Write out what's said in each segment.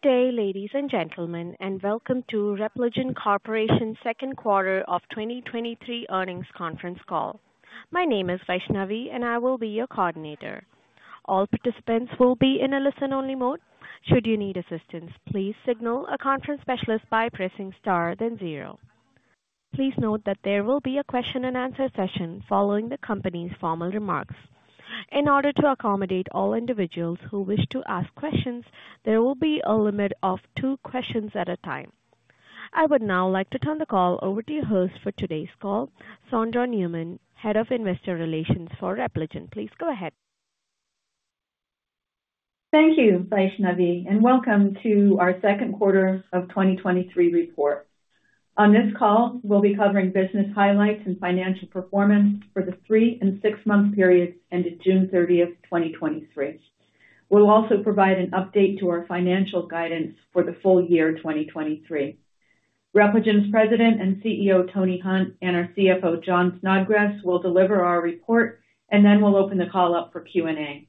Good day, ladies and gentlemen, welcome to Repligen Corporation's second quarter of 2023 earnings conference call. My name is Vaishnavi, I will be your coordinator. All participants will be in a listen-only mode. Should you need assistance, please signal a conference specialist by pressing Star then 0. Please note that there will be a question and answer session following the company's formal remarks. In order to accommodate all individuals who wish to ask questions, there will be a limit of 2 questions at a time. I would now like to turn the call over to your host for today's call, Sondra Newman, Head of Investor Relations for Repligen. Please go ahead. Thank you, Vaishnavi. Welcome to our second quarter of 2023 report. On this call, we'll be covering business highlights and financial performance for the 3 and 6-month periods ended June 30, 2023. We'll also provide an update to our financial guidance for the full year 2023. Repligen's President and CEO, Tony Hunt, and our CFO, Jon Snodgrass, will deliver our report, then we'll open the call up for Q&A.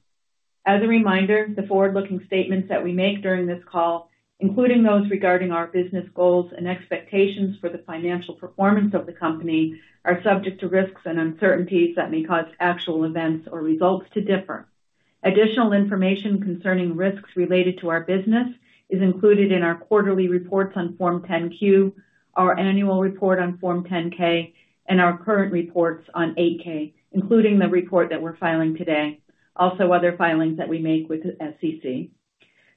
As a reminder, the forward-looking statements that we make during this call, including those regarding our business goals and expectations for the financial performance of the company, are subject to risks and uncertainties that may cause actual events or results to differ. Additional information concerning risks related to our business is included in our quarterly reports on Form 10-Q, our annual report on Form 10-K, and our current reports on 8-K, including the report that we're filing today, also other filings that we make with the SEC.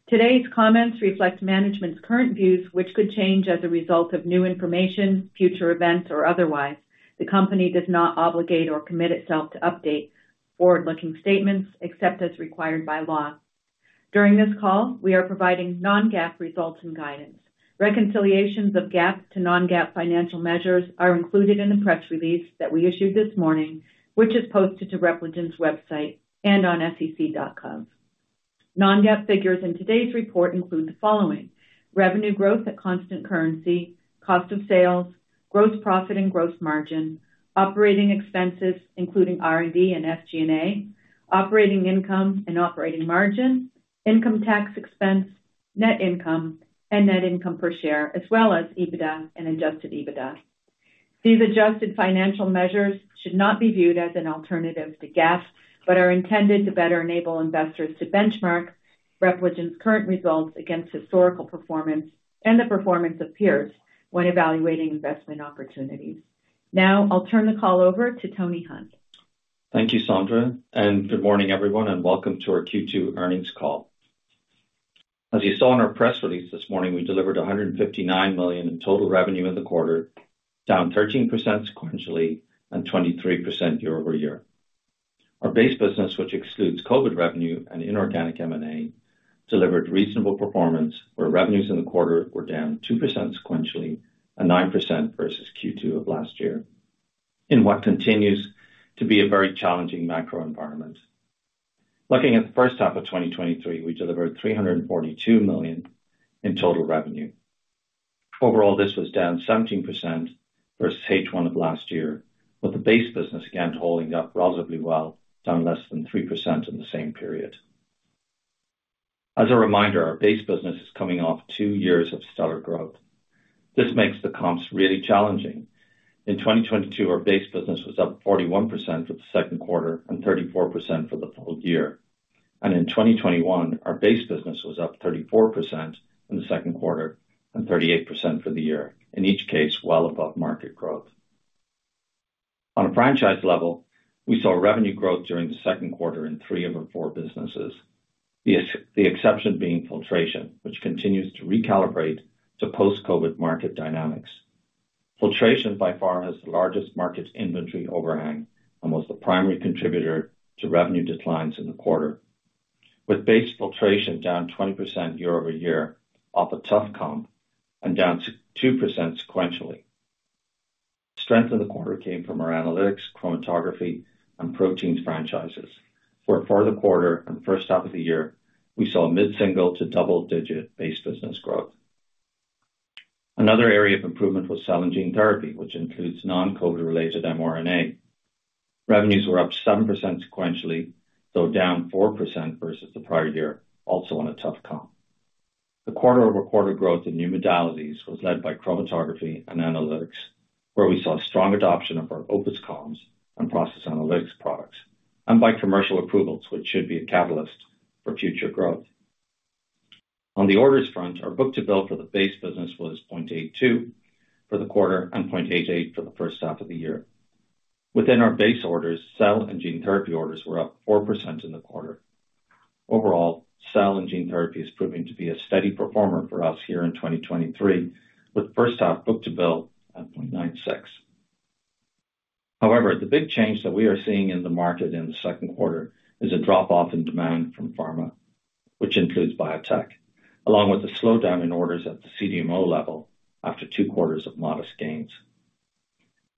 Today's comments reflect management's current views, which could change as a result of new information, future events, or otherwise. The company does not obligate or commit itself to update forward-looking statements except as required by law. During this call, we are providing non-GAAP results and guidance. Reconciliations of GAAP to non-GAAP financial measures are included in the press release that we issued this morning, which is posted to Repligen's website and on sec.gov. Non-GAAP figures in today's report include the following: revenue growth at constant currency, cost of sales, gross profit and gross margin, operating expenses, including R&D and SG&A, operating income and operating margin, income tax expense, net income and net income per share, as well as EBITDA and adjusted EBITDA. These adjusted financial measures should not be viewed as an alternative to GAAP, but are intended to better enable investors to benchmark Repligen's current results against historical performance and the performance of peers when evaluating investment opportunities. Now I'll turn the call over to Tony Hunt. Thank you, Sondra, and good morning, everyone, and welcome to our Q2 earnings call. As you saw in our press release this morning, we delivered $159 million in total revenue in the quarter, down 13% sequentially and 23% year-over-year. Our base business, which excludes COVID revenue and inorganic M&A, delivered reasonable performance, where revenues in the quarter were down 2% sequentially and 9% versus Q2 of last year, in what continues to be a very challenging macro environment. Looking at the first half of 2023, we delivered $342 million in total revenue. Overall, this was down 17% versus H1 of last year, with the base business again holding up relatively well, down less than 3% in the same period. As a reminder, our base business is coming off two years of stellar growth. This makes the comps really challenging. In 2022, our base business was up 41% for the second quarter and 34% for the full year. In 2021, our base business was up 34% in the second quarter and 38% for the year, in each case, well above market growth. On a franchise level, we saw revenue growth during the second quarter in three of our four businesses, the exception being filtration, which continues to recalibrate to post-COVID market dynamics. Filtration, by far, has the largest market inventory overhang and was the primary contributor to revenue declines in the quarter, with base filtration down 20% year-over-year off a tough comp and down 2% sequentially. Strength in the quarter came from our analytics, chromatography, and proteins franchises, where for the quarter and first half of the year, we saw mid-single to double-digit base business growth. Another area of improvement was cell and gene therapy, which includes non-COVID-related mRNA. Revenues were up 7% sequentially, though down 4% versus the prior year, also on a tough comp. The quarter-over-quarter growth in new modalities was led by chromatography and analytics, where we saw strong adoption of our OPUS columns and process analytics products, and by commercial approvals, which should be a catalyst for future growth. On the orders front, our book-to-bill for the base business was 0.82 for the quarter and 0.88 for the first half of the year. Within our base orders, cell and gene therapy orders were up 4% in the quarter. Overall, cell and gene therapy is proving to be a steady performer for us here in 2023, with 1st half book-to-bill at 0.96. The big change that we are seeing in the market in the 2nd quarter is a drop-off in demand from pharma, which includes biotech, along with a slowdown in orders at the CDMO level after 2 quarters of modest gains.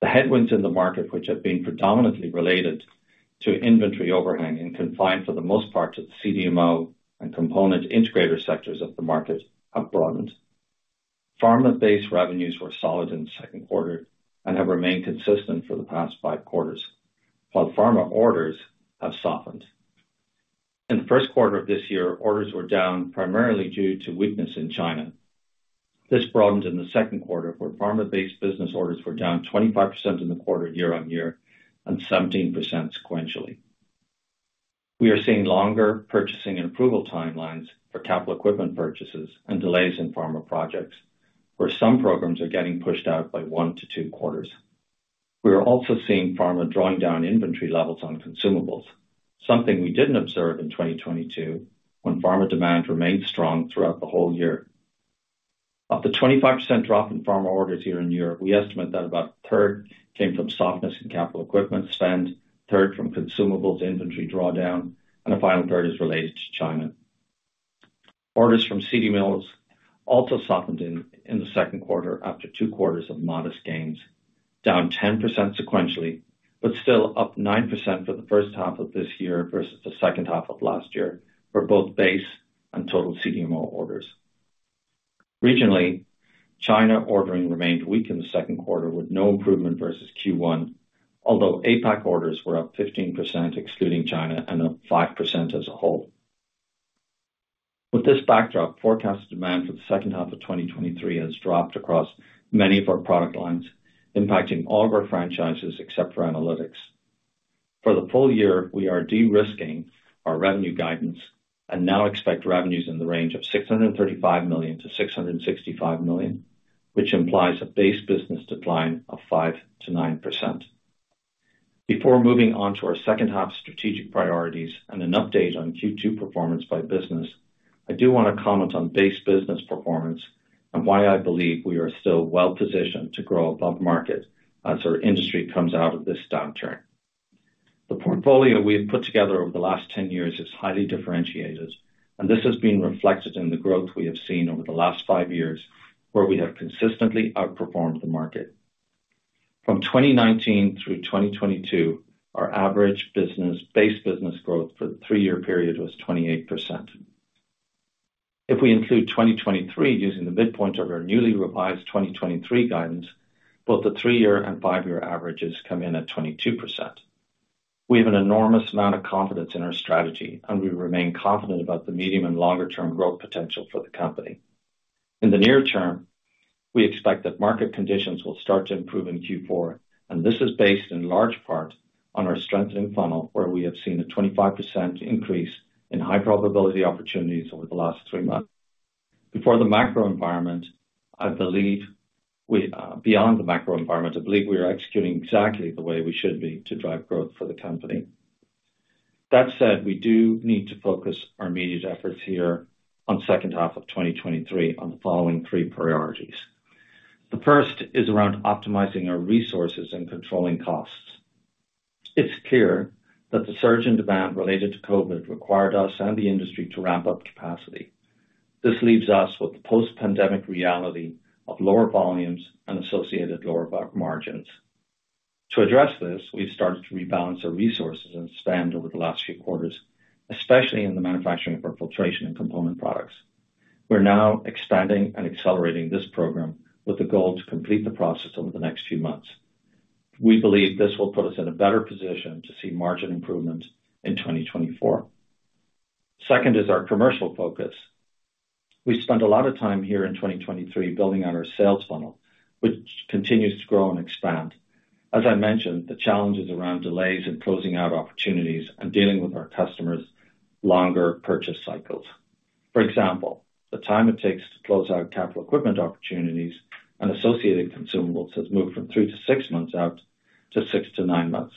The headwinds in the market, which have been predominantly related to inventory overhang and confined for the most part to the CDMO and component integrator sectors of the market, have broadened. Pharma-based revenues were solid in the 2nd quarter and have remained consistent for the past 5 quarters, while pharma orders have softened. In the 1st quarter of this year, orders were down primarily due to weakness in China. This broadened in the second quarter, where pharma-based business orders were down 25% in the quarter, year-on-year, and 17% sequentially. We are seeing longer purchasing and approval timelines for capital equipment purchases and delays in pharma projects, where some programs are getting pushed out by 1-2 quarters. We are also seeing pharma drawing down inventory levels on consumables, something we didn't observe in 2022, when pharma demand remained strong throughout the whole year. Of the 25% drop in pharma orders year-on-year, we estimate that about a third came from softness in capital equipment spend, a third from consumables inventory drawdown, and a final third is related to China. Orders from CDMOs also softened in the 2nd quarter after 2 quarters of modest gains, down 10% sequentially, but still up 9% for the 1st half of this year versus the 2nd half of last year for both base and total CDMO orders. Regionally, China ordering remained weak in the 2nd quarter, with no improvement versus Q1, although APAC orders were up 15%, excluding China, and up 5% as a whole. With this backdrop, forecast demand for the 2nd half of 2023 has dropped across many of our product lines, impacting all of our franchises except for analytics. For the full year, we are de-risking our revenue guidance and now expect revenues in the range of $635 million-$665 million, which implies a base business decline of 5%-9%. Before moving on to our second half strategic priorities and an update on Q2 performance by business, I do want to comment on base business performance and why I believe we are still well positioned to grow above market as our industry comes out of this downturn. The portfolio we have put together over the last 10 years is highly differentiated, and this has been reflected in the growth we have seen over the last 5 years, where we have consistently outperformed the market. From 2019 through 2022, our average business, base business growth for the three-year period was 28%. If we include 2023, using the midpoint of our newly revised 2023 guidance, both the three-year and five-year averages come in at 22%. We have an enormous amount of confidence in our strategy. We remain confident about the medium and longer-term growth potential for the company. In the near term, we expect that market conditions will start to improve in Q4. This is based in large part on our strengthening funnel, where we have seen a 25% increase in high probability opportunities over the last three months. Beyond the macro environment, I believe we are executing exactly the way we should be to drive growth for the company. That said, we do need to focus our immediate efforts here on second half of 2023 on the following three priorities. The first is around optimizing our resources and controlling costs. It's clear that the surge in demand related to COVID required us and the industry to ramp up capacity. This leaves us with the post-pandemic reality of lower volumes and associated lower margins. To address this, we've started to rebalance our resources and spend over the last few quarters, especially in the manufacturing of our filtration and component products. We're now expanding and accelerating this program with a goal to complete the process over the next few months. We believe this will put us in a better position to see margin improvement in 2024. Second is our commercial focus. We spent a lot of time here in 2023 building out our sales funnel, which continues to grow and expand. As I mentioned, the challenges around delays in closing out opportunities and dealing with our customers' longer purchase cycles. For example, the time it takes to close out capital equipment opportunities and associated consumables has moved from 3-6 months out to 6-9 months.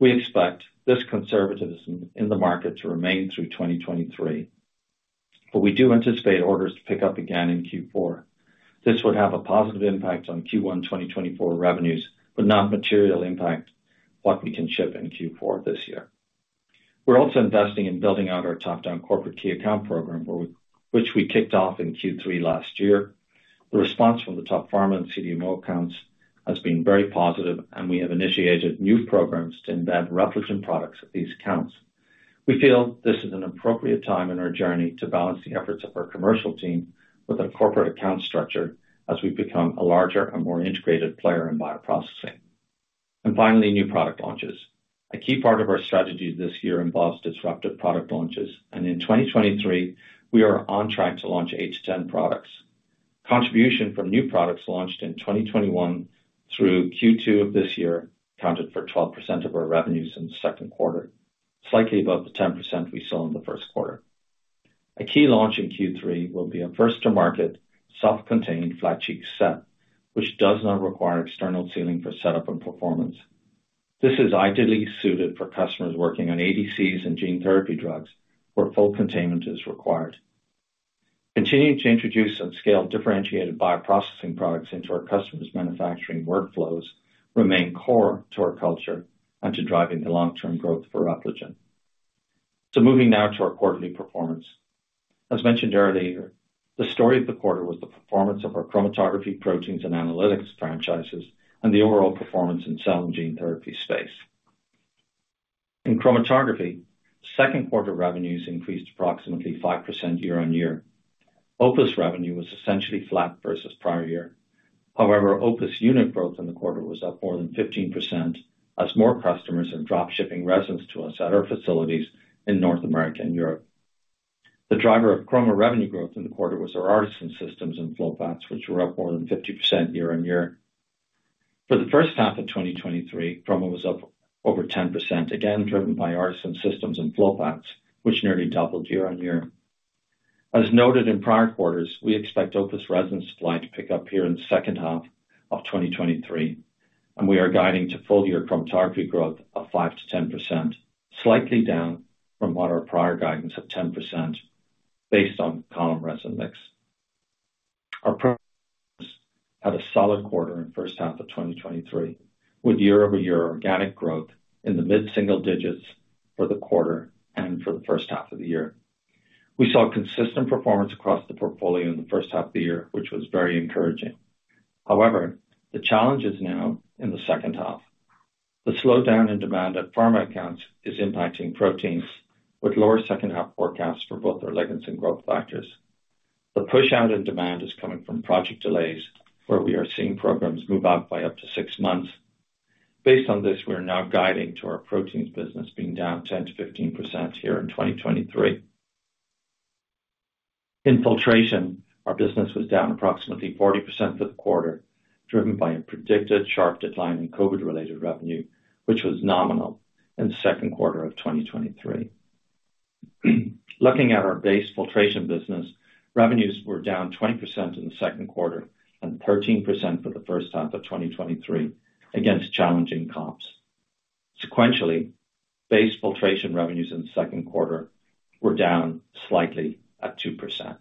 We expect this conservatism in the market to remain through 2023, but we do anticipate orders to pick up again in Q4. This would have a positive impact on Q1 2024 revenues, but not material impact what we can ship in Q4 this year. We're also investing in building out our top-down corporate key account program, which we kicked off in Q3 last year. The response from the top pharma and CDMO accounts has been very positive, and we have initiated new programs to embed Repligen products at these accounts. We feel this is an appropriate time in our journey to balance the efforts of our commercial team with a corporate account structure as we become a larger and more integrated player in bioprocessing. Finally, new product launches. A key part of our strategy this year involves disruptive product launches, in 2023, we are on track to launch 8 to 10 products. Contribution from new products launched in 2021 through Q2 of this year, accounted for 12% of our revenues in the second quarter, slightly above the 10% we saw in the first quarter. A key launch in Q3 will be a first-to-market, self-contained flat sheet cassette, which does not require external sealing for setup and performance. This is ideally suited for customers working on ADCs and gene therapy drugs, where full containment is required. Continuing to introduce and scale differentiated bioprocessing products into our customers' manufacturing workflows remain core to our culture and to driving the long-term growth for Repligen. Moving now to our quarterly performance. As mentioned earlier, the story of the quarter was the performance of our chromatography, proteins, and analytics franchises, and the overall performance in cell and gene therapy space. In chromatography, second quarter revenues increased approximately 5% year-on-year. OPUS revenue was essentially flat versus prior year. However, OPUS unit growth in the quarter was up more than 15%, as more customers have dropped shipping resins to us at our facilities in North America and Europe. The driver of chroma revenue growth in the quarter was our ARTeSYN systems and flow paths, which were up more than 50% year-on-year. For the first half of 2023, chroma was up over 10%, again, driven by ARTeSYN systems and flow paths, which nearly doubled year-on-year. As noted in prior quarters, we expect OPUS resin supply to pick up here in the second half of 2023, and we are guiding to full year chromatography growth of 5%-10%, slightly down from what our prior guidance of 10% based on column resin mix. Our had a solid quarter in first half of 2023, with year-over-year organic growth in the mid-single digits for the quarter and for the first half of the year. We saw consistent performance across the portfolio in the first half of the year, which was very encouraging. However, the challenge is now in the second half. The slowdown in demand at pharma accounts is impacting proteins, with lower second half forecasts for both their ligands and growth factors. The push out in demand is coming from project delays, where we are seeing programs move out by up to 6 months. Based on this, we are now guiding to our proteins business being down 10%-15% here in 2023. In filtration, our business was down approximately 40% for the quarter, driven by a predicted sharp decline in COVID-related revenue, which was nominal in the second quarter of 2023. Looking at our base filtration business, revenues were down 20% in the second quarter and 13% for the first half of 2023, against challenging comps. Sequentially, base filtration revenues in the second quarter were down slightly at 2%.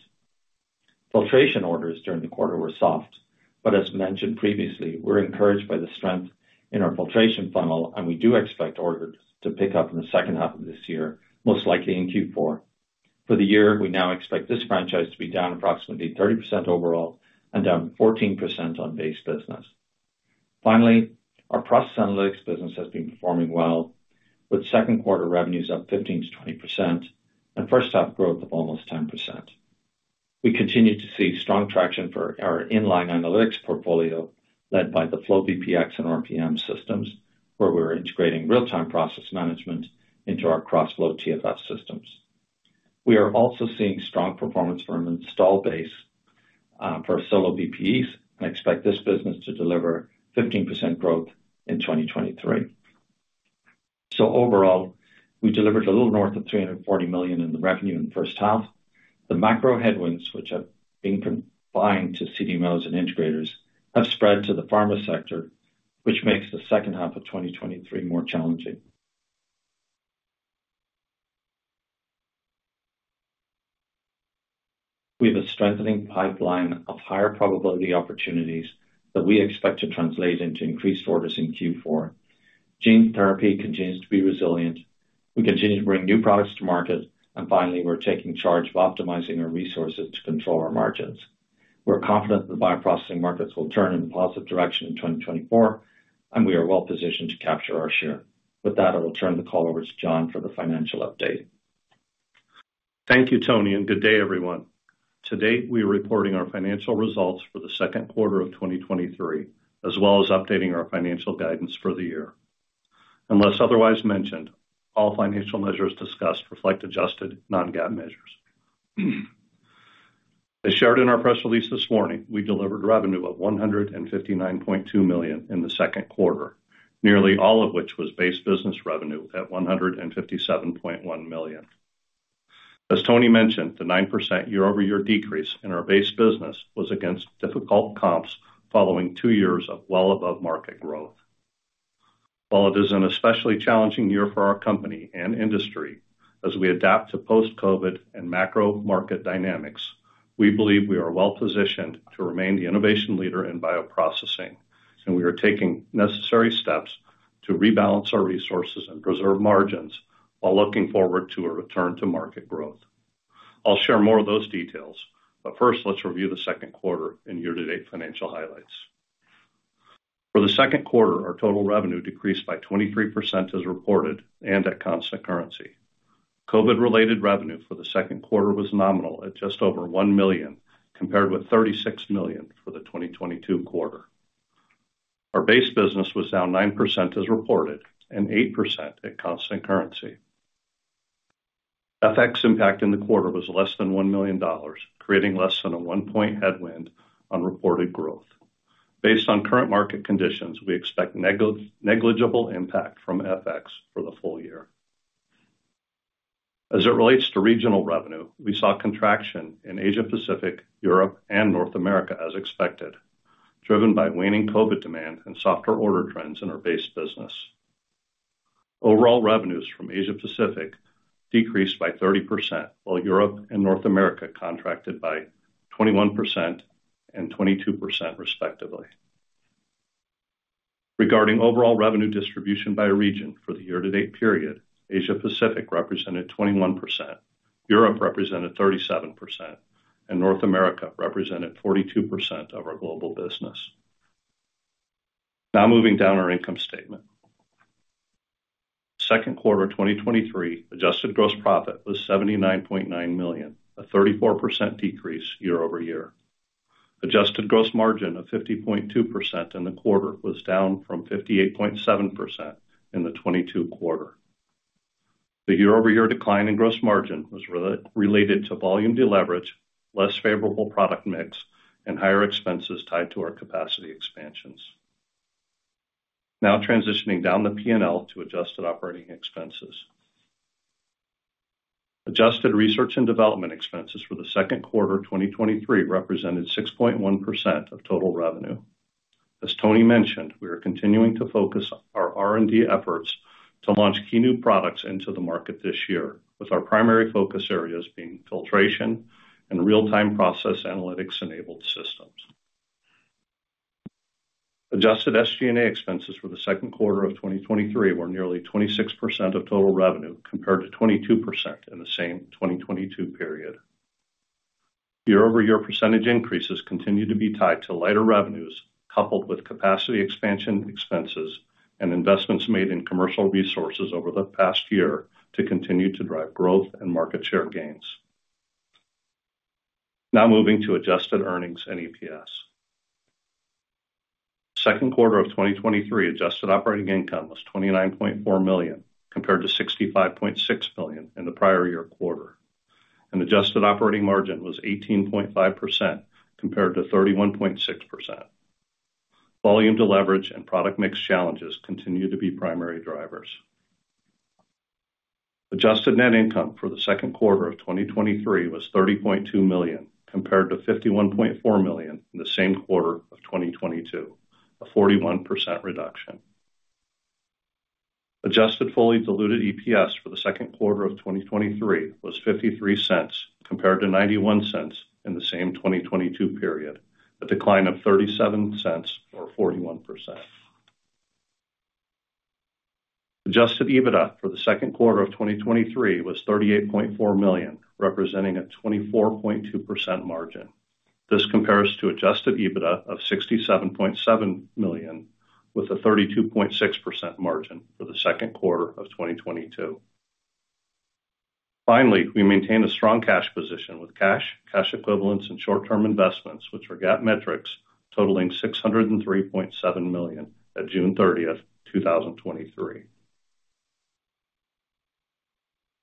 Filtration orders during the quarter were soft. As mentioned previously, we're encouraged by the strength in our filtration funnel, we do expect orders to pick up in the second half of this year, most likely in Q4. For the year, we now expect this franchise to be down approximately 30% overall and down 14% on base business. Our process analytics business has been performing well, with second quarter revenues up 15%-20% and first half growth of almost 10%. We continue to see strong traction for our inline analytics portfolio, led by the FlowVPX and RPM systems, where we're integrating real-time process management into our KrosFlo TFF systems. We are also seeing strong performance from an install base for SoloVPEs. I expect this business to deliver 15% growth in 2023. Overall, we delivered a little north of $340 million in the revenue in the first half. The macro headwinds, which have been confined to CDMOs and integrators, have spread to the pharma sector, which makes the second half of 2023 more challenging. We have a strengthening pipeline of higher probability opportunities that we expect to translate into increased orders in Q4. Gene therapy continues to be resilient. We continue to bring new products to market, finally, we're taking charge of optimizing our resources to control our margins. We're confident the bioprocessing markets will turn in a positive direction in 2024, we are well positioned to capture our share. With that, I will turn the call over to Jon for the financial update. Thank you, Tony, and good day, everyone. Today, we are reporting our financial results for the 2Q 2023, as well as updating our financial guidance for the year. Unless otherwise mentioned, all financial measures discussed reflect adjusted non-GAAP measures. As shared in our press release this morning, we delivered revenue of $159.2 million in the 2Q, nearly all of which was base business revenue at $157.1 million. As Tony mentioned, the 9% year-over-year decrease in our base business was against difficult comps following 2 years of well above market growth. While it is an especially challenging year for our company and industry, as we adapt to post-COVID and macro market dynamics, we believe we are well positioned to remain the innovation leader in bioprocessing, and we are taking necessary steps to rebalance our resources and preserve margins while looking forward to a return to market growth. First, let's review the second quarter and year-to-date financial highlights. For the second quarter, our total revenue decreased by 23% as reported and at constant currency. COVID-related revenue for the second quarter was nominal at just over $1 million, compared with $36 million for the 2022 quarter. Our base business was down 9% as reported and 8% at constant currency. FX impact in the quarter was less than $1 million, creating less than a 1-point headwind on reported growth. Based on current market conditions, we expect negligible impact from FX for the full year. As it relates to regional revenue, we saw contraction in Asia Pacific, Europe, and North America as expected, driven by waning COVID demand and softer order trends in our base business. Overall, revenues from Asia Pacific decreased by 30%, while Europe and North America contracted by 21% and 22% respectively. Regarding overall revenue distribution by region for the year-to-date period, Asia Pacific represented 21%, Europe represented 37%, and North America represented 42% of our global business. Now moving down our income statement. Second quarter 2023 adjusted gross profit was $79.9 million, a 34% decrease year over year. Adjusted gross margin of 50.2% in the quarter was down from 58.7% in the 2022 quarter. The year-over-year decline in gross margin was re-related to volume deleverage, less favorable product mix, and higher expenses tied to our capacity expansions. Now transitioning down the P&L to adjusted operating expenses. Adjusted research and development expenses for the second quarter 2023 represented 6.1% of total revenue. As Tony mentioned, we are continuing to focus our R&D efforts to launch key new products into the market this year, with our primary focus areas being filtration and real-time process analytics-enabled systems. Adjusted SG&A expenses for the second quarter of 2023 were nearly 26% of total revenue, compared to 22% in the same 2022 period. Year-over-year percentage increases continue to be tied to lighter revenues, coupled with capacity expansion expenses and investments made in commercial resources over the past year to continue to drive growth and market share gains. Now moving to adjusted earnings and EPS. Second quarter of 2023, adjusted operating income was $29.4 million, compared to $65.6 million in the prior-year quarter. Adjusted operating margin was 18.5%, compared to 31.6%. Volume deleverage and product mix challenges continue to be primary drivers. Adjusted net income for the second quarter of 2023 was $30.2 million, compared to $51.4 million in the same quarter of 2022, a 41% reduction. Adjusted fully diluted EPS for the second quarter of 2023 was $0.53, compared to $0.91 in the same 2022 period, a decline of $0.37 or 41%. Adjusted EBITDA for the second quarter of 2023 was $38.4 million, representing a 24.2% margin. This compares to adjusted EBITDA of $67.7 million, with a 32.6% margin for the second quarter of 2022. We maintained a strong cash position with cash, cash equivalents, and short-term investments, which are GAAP metrics, totaling $603.7 million at June 30, 2023.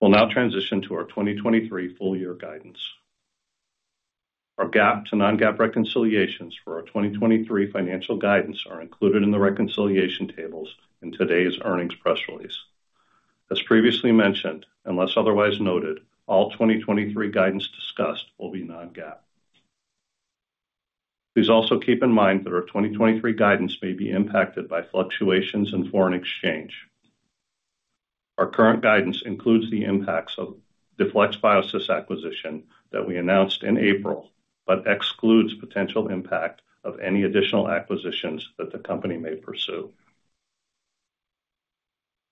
We'll now transition to our 2023 full year guidance. Our GAAP to non-GAAP reconciliations for our 2023 financial guidance are included in the reconciliation tables in today's earnings press release. As previously mentioned, unless otherwise noted, all 2023 guidance discussed will be non-GAAP. Please also keep in mind that our 2023 guidance may be impacted by fluctuations in foreign exchange. Our current guidance includes the impacts of the FlexBiosys acquisition that we announced in April, but excludes potential impact of any additional acquisitions that the company may pursue.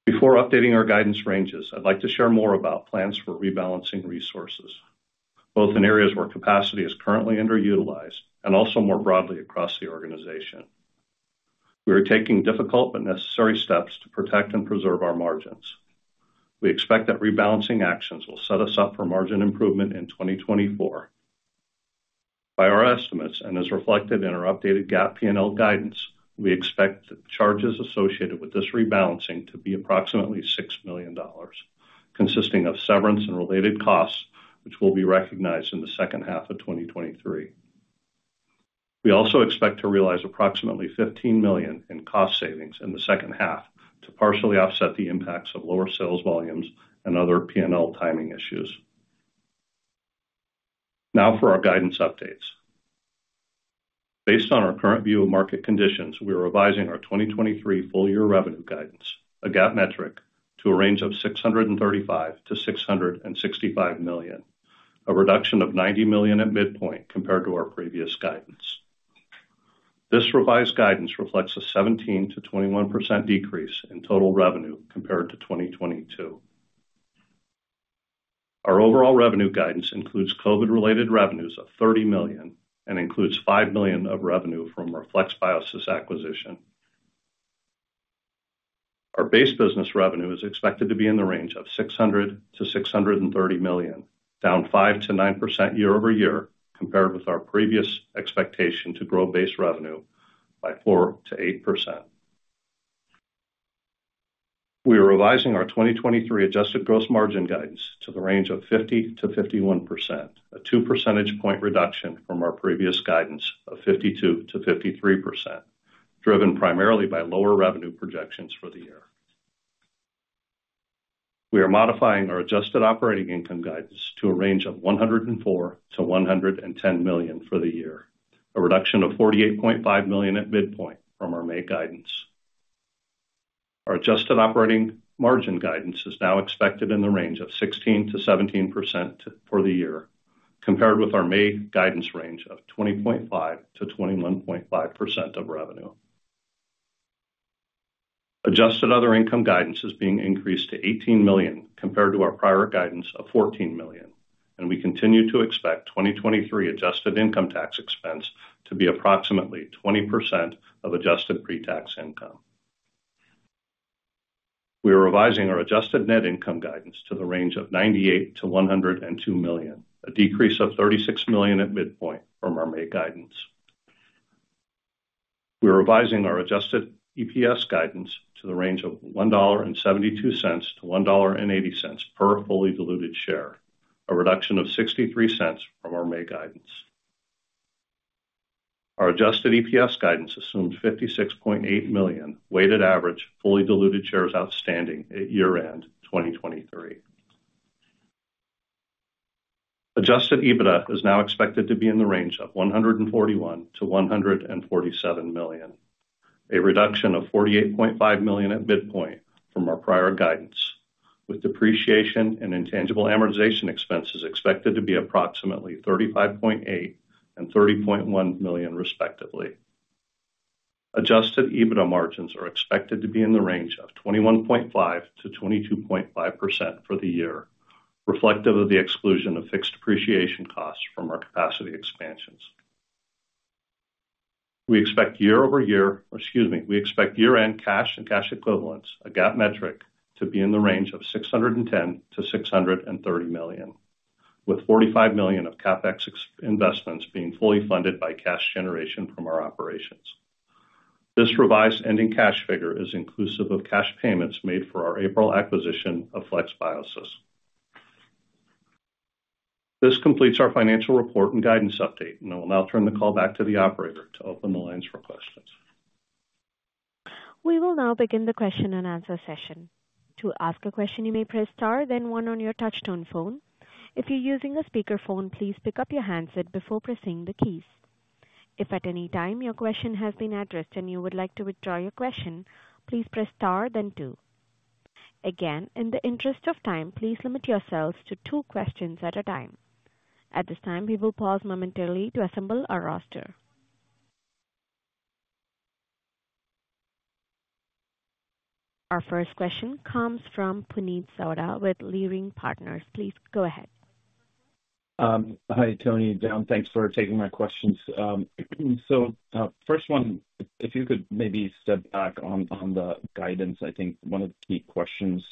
Before updating our guidance ranges, I'd like to share more about plans for rebalancing resources, both in areas where capacity is currently underutilized and also more broadly across the organization. We are taking difficult but necessary steps to protect and preserve our margins. We expect that rebalancing actions will set us up for margin improvement in 2024. By our estimates, and as reflected in our updated GAAP P&L guidance, we expect the charges associated with this rebalancing to be approximately $6 million, consisting of severance and related costs, which will be recognized in the second half of 2023. We also expect to realize approximately $15 million in cost savings in the second half to partially offset the impacts of lower sales volumes and other P&L timing issues. Now for our guidance updates. Based on our current view of market conditions, we are revising our 2023 full year revenue guidance, a GAAP metric, to a range of $635 million-$665 million, a reduction of $90 million at midpoint compared to our previous guidance. This revised guidance reflects a 17%-21% decrease in total revenue compared to 2022. Our overall revenue guidance includes COVID-related revenues of $30 million and includes $5 million of revenue from our FlexBiosys acquisition. Our base business revenue is expected to be in the range of $600 million-$630 million, down 5%-9% year-over-year, compared with our previous expectation to grow base revenue by 4%-8%. We are revising our 2023 adjusted gross margin guidance to the range of 50%-51%, a 2 percentage point reduction from our previous guidance of 52%-53%, driven primarily by lower revenue projections for the year. We are modifying our adjusted operating income guidance to a range of $104 million-$110 million for the year, a reduction of $48.5 million at midpoint from our May guidance. Our adjusted operating margin guidance is now expected in the range of 16%-17% for the year, compared with our May guidance range of 20.5%-21.5% of revenue. Adjusted other income guidance is being increased to $18 million, compared to our prior guidance of $14 million. We continue to expect 2023 adjusted income tax expense to be approximately 20% of adjusted pre-tax income. We are revising our adjusted net income guidance to the range of $98 million-$102 million, a decrease of $36 million at midpoint from our May guidance. We're revising our adjusted EPS guidance to the range of $1.72-$1.80 per fully diluted share, a reduction of $0.63 from our May guidance. Our adjusted EPS guidance assumed 56.8 million weighted average, fully diluted shares outstanding at year-end 2023. Adjusted EBITDA is now expected to be in the range of $141 million-$147 million, a reduction of $48.5 million at midpoint from our prior guidance, with depreciation and intangible amortization expenses expected to be approximately $35.8 million and $30.1 million, respectively. Adjusted EBITDA margins are expected to be in the range of 21.5%-22.5% for the year, reflective of the exclusion of fixed depreciation costs from our capacity expansions. We expect year-over-year, or excuse me, we expect year-end cash and cash equivalents, a GAAP metric, to be in the range of $610 million-$630 million, with $45 million of CapEx ex- investments being fully funded by cash generation from our operations. This revised ending cash figure is inclusive of cash payments made for our April acquisition of FlexBiosys. This completes our financial report and guidance update, and I will now turn the call back to the operator to open the lines for questions. We will now begin the question and answer session. To ask a question, you may press star, then 1 on your touchtone phone. If you're using a speakerphone, please pick up your handset before pressing the keys. If at any time your question has been addressed and you would like to withdraw your question, please press star then 2. Again, in the interest of time, please limit yourselves to 2 questions at a time. At this time, we will pause momentarily to assemble our roster. Our first question comes from Puneet Souda with Leerink Partners. Please go ahead. Hi, Tony and Jon. Thanks for taking my questions. First one, if, if you could maybe step back on, on the guidance. I think one of the key questions,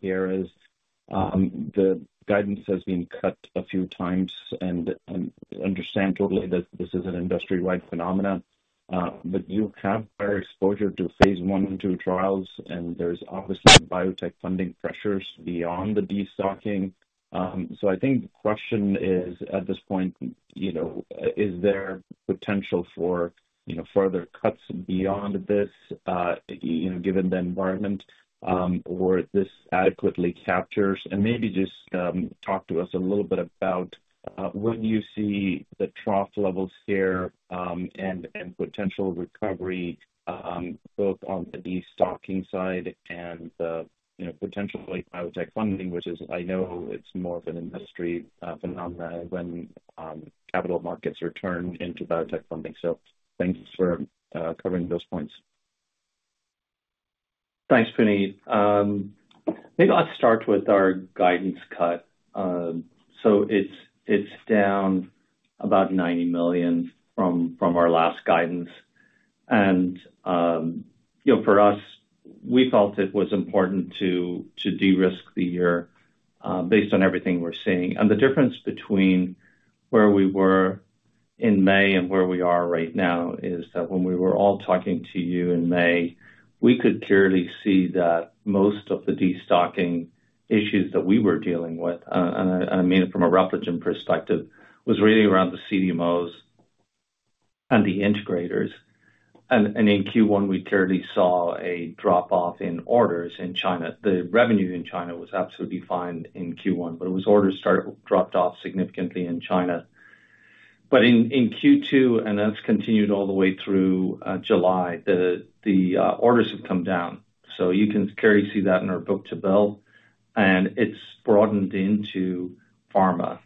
here is, the guidance has been cut a few times, and, and understandably, that this is an industry-wide phenomena. You have prior exposure to phase I and II trials, and there's obviously biotech funding pressures beyond the destocking. I think the question is, at this point, you know, is there potential for, you know, further cuts beyond this, you know, given the environment, or this adequately captures? Maybe just talk to us a little bit about what you see the trough level scare, and, and potential recovery, both on the destocking side and the, you know, potentially biotech funding, which is I know it's more of an industry phenomena when capital markets are turned into biotech funding. Thanks for covering those points. Thanks, Puneet. Maybe I'll start with our guidance cut. So it's, it's down about $90 million from, from our last guidance. You know, for us, we felt it was important to, to de-risk the year, based on everything we're seeing. The difference between where we were in May and where we are right now, is that when we were all talking to you in May, we could clearly see that most of the destocking issues that we were dealing with, and I, and I mean it from a Repligen perspective, was really around the CDMOs and the integrators. In Q1, we clearly saw a drop-off in orders in China. The revenue in China was absolutely fine in Q1, but it was orders started- dropped off significantly in China. In Q2, and that's continued all the way through July, the orders have come down. You can clearly see that in our book-to-bill, and it's broadened into pharma.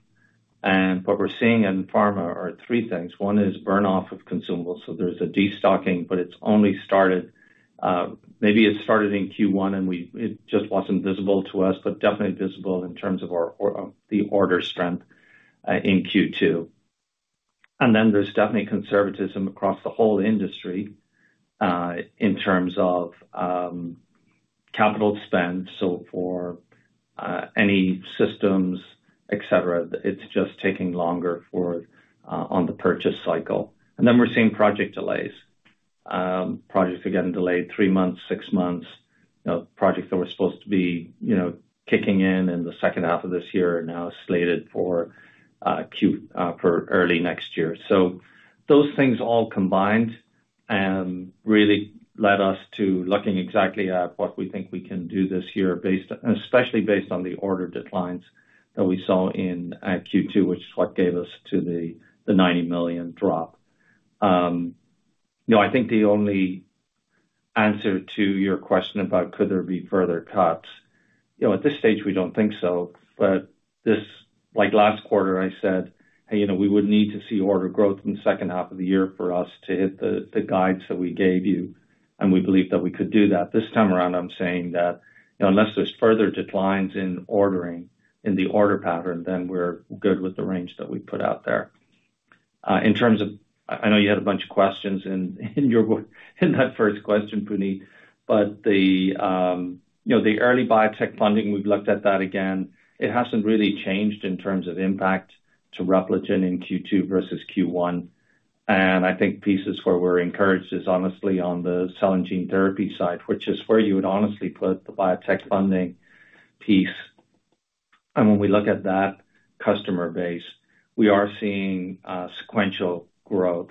What we're seeing in pharma are 3 things. 1 is burn off of consumables, so there's a destocking, but it's only started, maybe it started in Q1, and it just wasn't visible to us, but definitely visible in terms of our the order strength in Q2. There's definitely conservatism across the whole industry in terms of capital spend. For any systems, et cetera, it's just taking longer for on the purchase cycle. We're seeing project delays. Projects are getting delayed 3 months, 6 months. You know, projects that were supposed to be, you know, kicking in in the second half of this year are now slated for, Q- for early next year. Those things all combined, really led us to looking exactly at what we think we can do this year, based, especially based on the order declines that we saw in Q2, which is what gave us to the, the $90 million drop. You know, I think the only answer to your question about could there be further cuts? You know, at this stage, we don't think so, but this, like last quarter, I said, "Hey, you know, we would need to see order growth in the second half of the year for us to hit the, the guides that we gave you, and we believe that we could do that." This time around, I'm saying that, you know, unless there's further declines in ordering, in the order pattern, then we're good with the range that we put out there. In terms of, I, I know you had a bunch of questions in, in your, in that first question, Puneet. The, you know, the early biotech funding, we've looked at that again, it hasn't really changed in terms of impact to Repligen in Q2 versus Q1. I think pieces where we're encouraged is honestly on the cell and gene therapy side, which is where you would honestly put the biotech funding piece. When we look at that customer base, we are seeing sequential growth.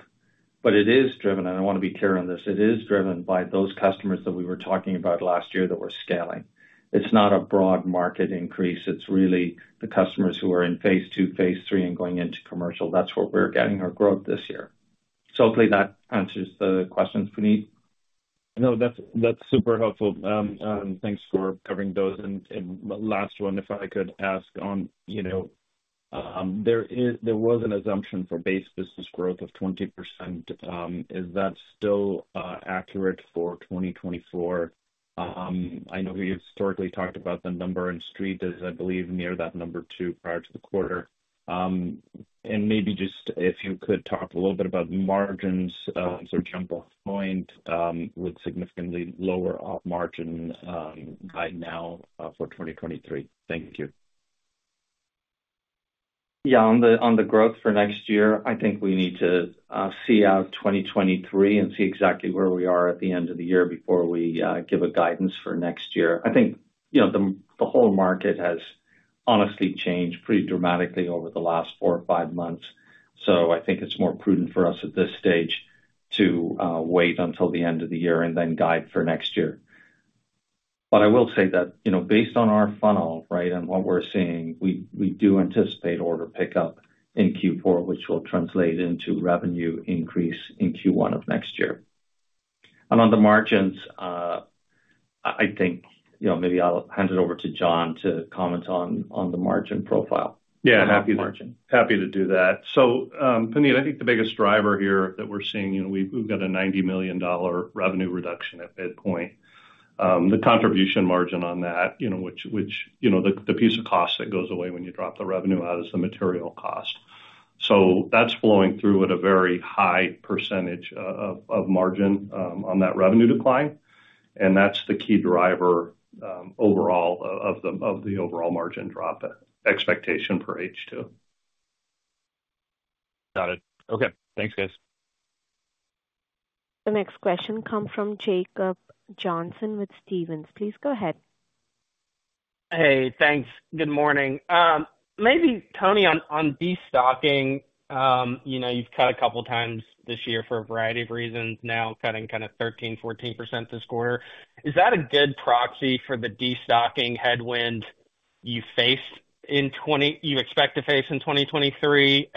It is driven, and I wanna be clear on this, it is driven by those customers that we were talking about last year that were scaling. It's not a broad market increase. It's really the customers who are in phase two, phase three, and going into commercial. That's where we're getting our growth this year. Hopefully that answers the questions, Puneet. No, that's, that's super helpful. Thanks for covering those. Last one, if I could ask on, there was an assumption for base business growth of 20%. Is that still accurate for 2024? I know we historically talked about the number, and Street is, I believe, near that number, too, prior to the quarter. Maybe just if you could talk a little bit about margins, sort of jump off point, with significantly lower op margin, guide now, for 2023. Thank you. Yeah, on the, on the growth for next year, I think we need to see out 2023 and see exactly where we are at the end of the year before we give a guidance for next year. I think, you know, the whole market has honestly changed pretty dramatically over the last 4 or 5 months, so I think it's more prudent for us at this stage to wait until the end of the year and then guide for next year. I will say that, you know, based on our funnel, right, and what we're seeing, we do anticipate order pickup in Q4, which will translate into revenue increase in Q1 of next year. On the margins, I think, you know, maybe I'll hand it over to Jon to comment on, on the margin profile. Yeah. Margin. Happy to do that. Puneet, I think the biggest driver here that we're seeing, you know, we've, we've got a $90 million revenue reduction at midpoint. The contribution margin on that, you know, which, which, you know, the, the piece of cost that goes away when you drop the revenue out is the material cost. So that's flowing through at a very high percentage o-of, of margin, on that revenue decline, and that's the key driver, overall, o-of the, of the overall margin drop expectation for H2. Got it. Okay. Thanks, guys. The next question comes from Jacob Johnson with Stephens. Please go ahead. Hey, thanks. Good morning. Maybe, Tony, on, on destocking, you know, you've cut a couple times this year for a variety of reasons, now cutting kind of 13%-14% this quarter. Is that a good proxy for the destocking headwind you expect to face in 2023?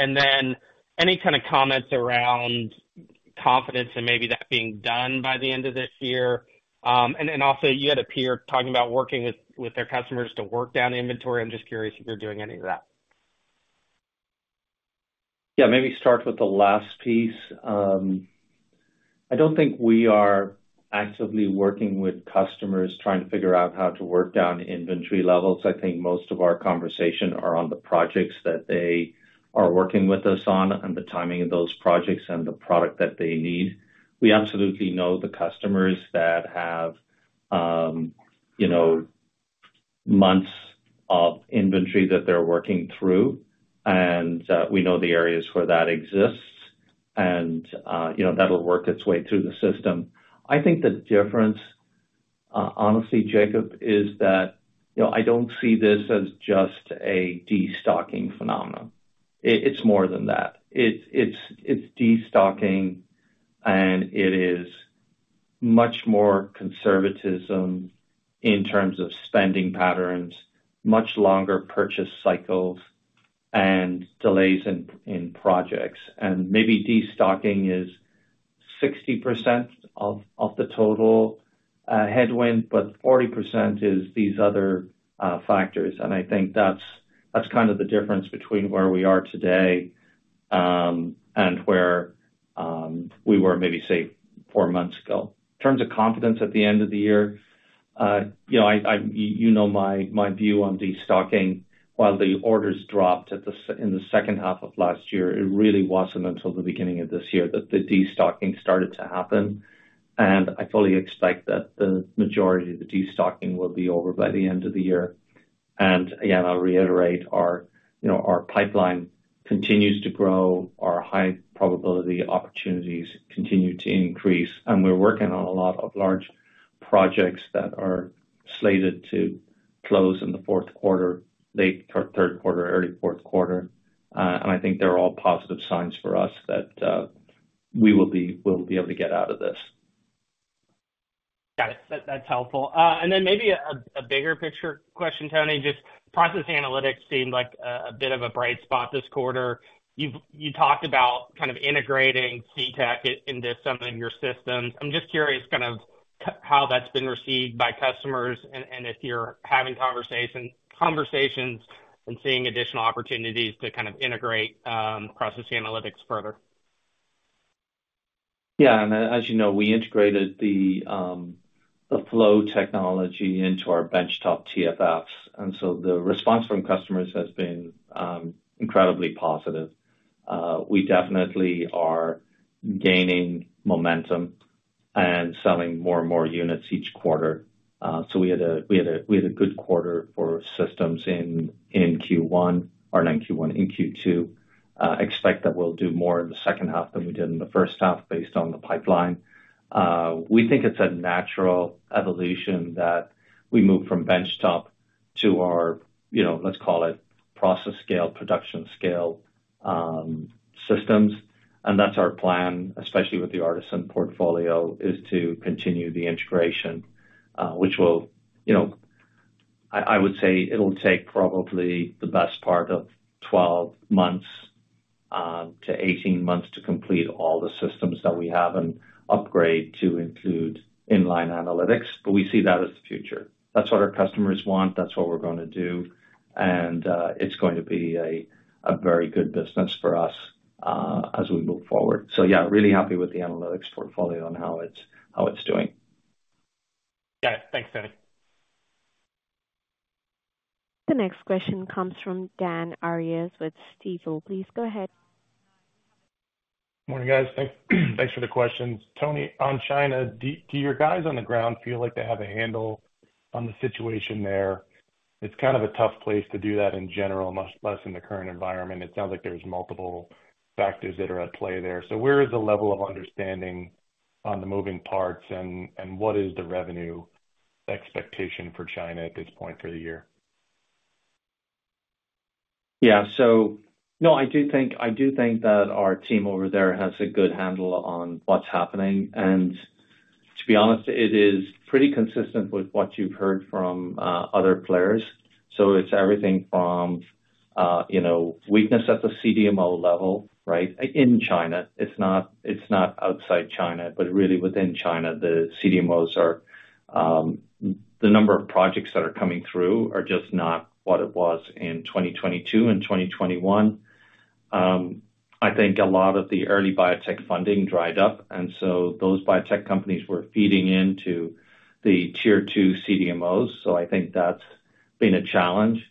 Any kind of comments around confidence and maybe that being done by the end of this year? Also, you had a peer talking about working with, with their customers to work down inventory. I'm just curious if you're doing any of that. Yeah, maybe start with the last piece. I don't think we are actively working with customers, trying to figure out how to work down inventory levels. I think most of our conversation are on the projects that they are working with us on, and the timing of those projects and the product that they need. We absolutely know the customers that have, you know, months of inventory that they're working through, and we know the areas where that exists. you know, that'll work its way through the system. I think the difference, honestly, Jacob, is that, you know, I don't see this as just a destocking phenomenon. It, it's more than that. It's, it's, it's destocking, and it is much more conservatism in terms of spending patterns, much longer purchase cycles, and delays in, in projects. Maybe destocking is 60% of the total headwind, but 40% is these other factors. I think that's, that's kind of the difference between where we are today, and where we were maybe, say, four months ago. In terms of confidence at the end of the year, you know, I, I, you know my, my view on destocking. While the orders dropped in the second half of last year, it really wasn't until the beginning of this year that the destocking started to happen. I fully expect that the majority of the destocking will be over by the end of the year. Again, I'll reiterate our, you know, our pipeline continues to grow, our high probability opportunities continue to increase, and we're working on a lot of large projects that are slated to close in the 4th quarter, late 3rd quarter, early 4th quarter. I think they're all positive signs for us that we'll be able to get out of this. Got it. That, that's helpful. Maybe a, a bigger picture question, Tony. Just process analytics seemed like a, a bit of a bright spot this quarter. You've -- you talked about kind of integrating CTech into some of your systems. I'm just curious, kind of how that's been received by customers, and, and if you're having conversations, conversations and seeing additional opportunities to kind of integrate, process analytics further? Yeah, as you know, we integrated the flow technology into our benchtop TFFs. The response from customers has been incredibly positive. We definitely are gaining momentum and selling more and more units each quarter. We had a, we had a, we had a good quarter for systems in Q1, or not Q1, in Q2. Expect that we'll do more in the second half than we did in the first half based on the pipeline. We think it's a natural evolution that we move from benchtop to our, you know, let's call it process scale, production scale, systems. That's our plan, especially with the ARTeSYN portfolio, is to continue the integration, which will, you know, I, I would say it'll take probably the best part of 12 months to 18 months to complete all the systems that we have and upgrade to include inline analytics, but we see that as the future. That's what our customers want, that's what we're gonna do, and it's going to be a very good business for us as we move forward. Yeah, really happy with the analytics portfolio and how it's, how it's doing. Got it. Thanks, Tony. The next question comes from Dan Arias with Stifel. Please go ahead. Morning, guys. Thanks. Thanks for the questions. Tony, on China, do your guys on the ground feel like they have a handle on the situation there? It's kind of a tough place to do that in general, much less in the current environment. It sounds like there's multiple factors that are at play there. Where is the level of understanding on the moving parts, and what is the revenue expectation for China at this point for the year? Yeah. So no, I do think, I do think that our team over there has a good handle on what's happening. To be honest, it is pretty consistent with what you've heard from other players. It's everything from, you know, weakness at the CDMO level, right? In China. It's not, it's not outside China, but really within China, the CDMOs are... The number of projects that are coming through are just not what it was in 2022 and 2021. I think a lot of the early biotech funding dried up, and so those biotech companies were feeding into the tier 2 CDMOs. I think that's been a challenge.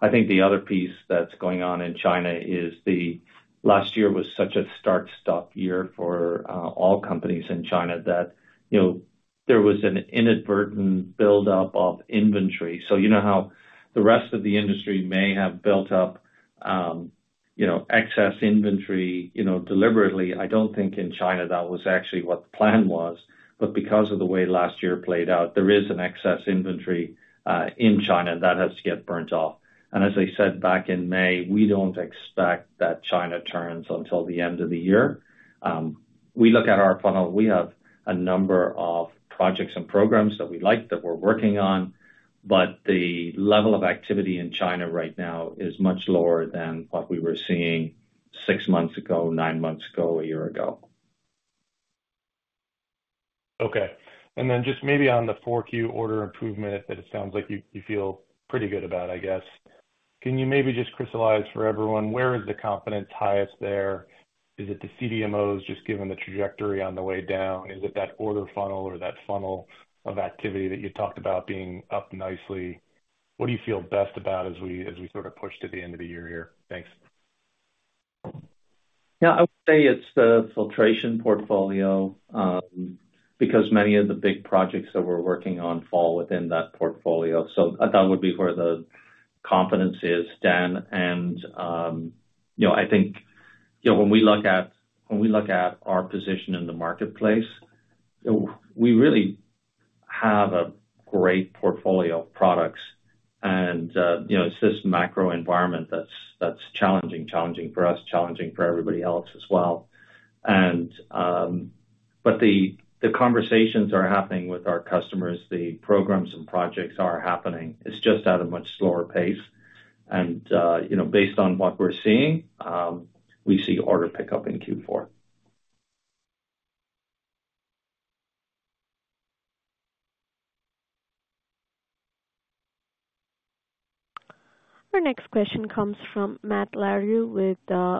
I think the other piece that's going on in China is the, last year was such a start-stop year for all companies in China that, you know, there was an inadvertent buildup of inventory. You know how the rest of the industry may have built up, you know, excess inventory, you know, deliberately? I don't think in China that was actually what the plan was, but because of the way last year played out, there is an excess inventory in China that has to get burnt off. As I said back in May, we don't expect that China turns until the end of the year. We look at our funnel, we have a number of projects and programs that we like, that we're working on, but the level of activity in China right now is much lower than what we were seeing six months ago, nine months ago, a year ago. Okay. Just maybe on the four Q order improvement, that it sounds like you, you feel pretty good about, I guess. Can you maybe just crystallize for everyone, where is the confidence highest there? Is it the CDMOs, just given the trajectory on the way down? Is it that order funnel or that funnel of activity that you talked about being up nicely? What do you feel best about as we, as we sort of push to the end of the year here? Thanks. Yeah, I would say it's the filtration portfolio, because many of the big projects that we're working on fall within that portfolio. That would be where the confidence is, Dan, and, you know, I think, you know, when we look at, when we look at our position in the marketplace, we really have a great portfolio of products and, you know, it's this macro environment that's, that's challenging, challenging for us, challenging for everybody else as well. The conversations are happening with our customers. The programs and projects are happening. It's just at a much slower pace. Based on what we're seeing, we see order pickup in Q4. Our next question comes from Matt Larew with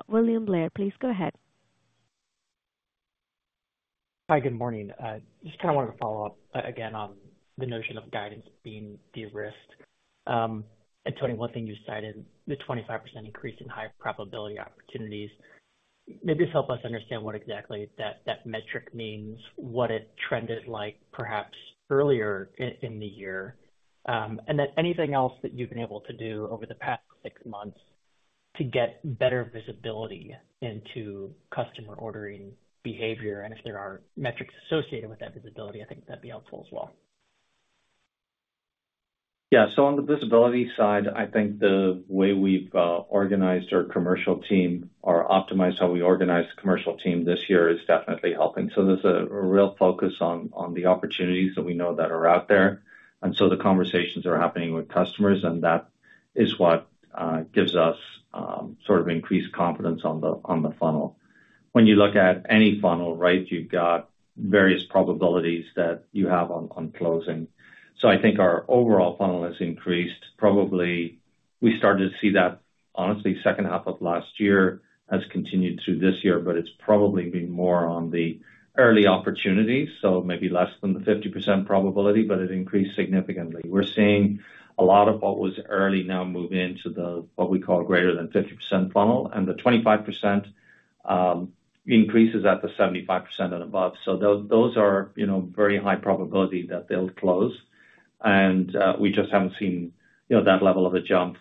William Blair. Please go ahead. Hi, good morning. Just kind of wanted to follow up again on the notion of guidance being de-risked. Tony, one thing you cited, the 25% increase in high probability opportunities. Maybe just help us understand what exactly that, that metric means, what it trended like perhaps earlier in, in the year, and then anything else that you've been able to do over the past 6 months to get better visibility into customer ordering behavior, and if there are metrics associated with that visibility, I think that'd be helpful as well. Yeah. On the visibility side, I think the way we've organized our commercial team, or optimized how we organized the commercial team this year is definitely helping. There's a real focus on the opportunities that we know that are out there. The conversations are happening with customers, and that is what gives us sort of increased confidence on the funnel. When you look at any funnel, right, you've got various probabilities that you have on closing. I think our overall funnel has increased. Probably, we started to see that, honestly, second half of last year, has continued through this year, but it's probably been more on the early opportunities, so maybe less than the 50% probability, but it increased significantly. We're seeing a lot of what was early now move into the, what we call greater than 50% funnel, and the 25% increase is at the 75% and above. Those, those are, you know, very high probability that they'll close. We just haven't seen, you know, that level of a jump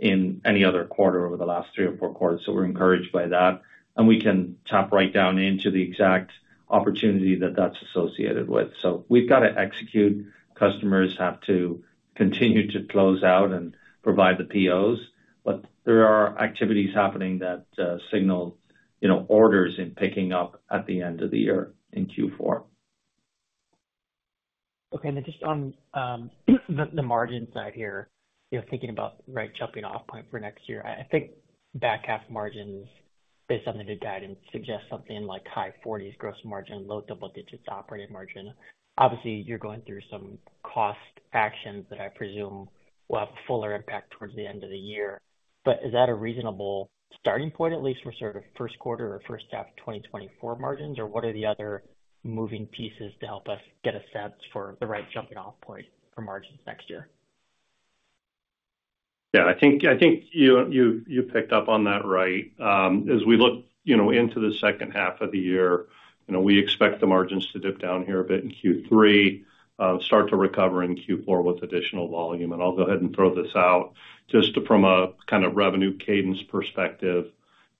in any other quarter over the last 3 or 4 quarters, so we're encouraged by that. We can tap right down into the exact opportunity that that's associated with. We've got to execute. Customers have to continue to close out and provide the POs, but there are activities happening that signal, you know, orders in picking up at the end of the year in Q4. Okay. Then just on, the margin side here, you know, thinking about the right jumping off point for next year. I, I think back-half margins based on the new guide, and suggest something like high 40s, gross margin, low double-digits, operating margin. Obviously, you're going through some cost actions that I presume will have a fuller impact towards the end of the year. Is that a reasonable starting point, at least for sort of first quarter or first half of 2024 margins? What are the other moving pieces to help us get a sense for the right jumping off point for margins next year? Yeah, I think, I think you, you, you picked up on that right. As we look, you know, into the second half of the year, you know, we expect the margins to dip down here a bit in Q3, start to recover in Q4 with additional volume. I'll go ahead and throw this out, just from a kind of revenue cadence perspective,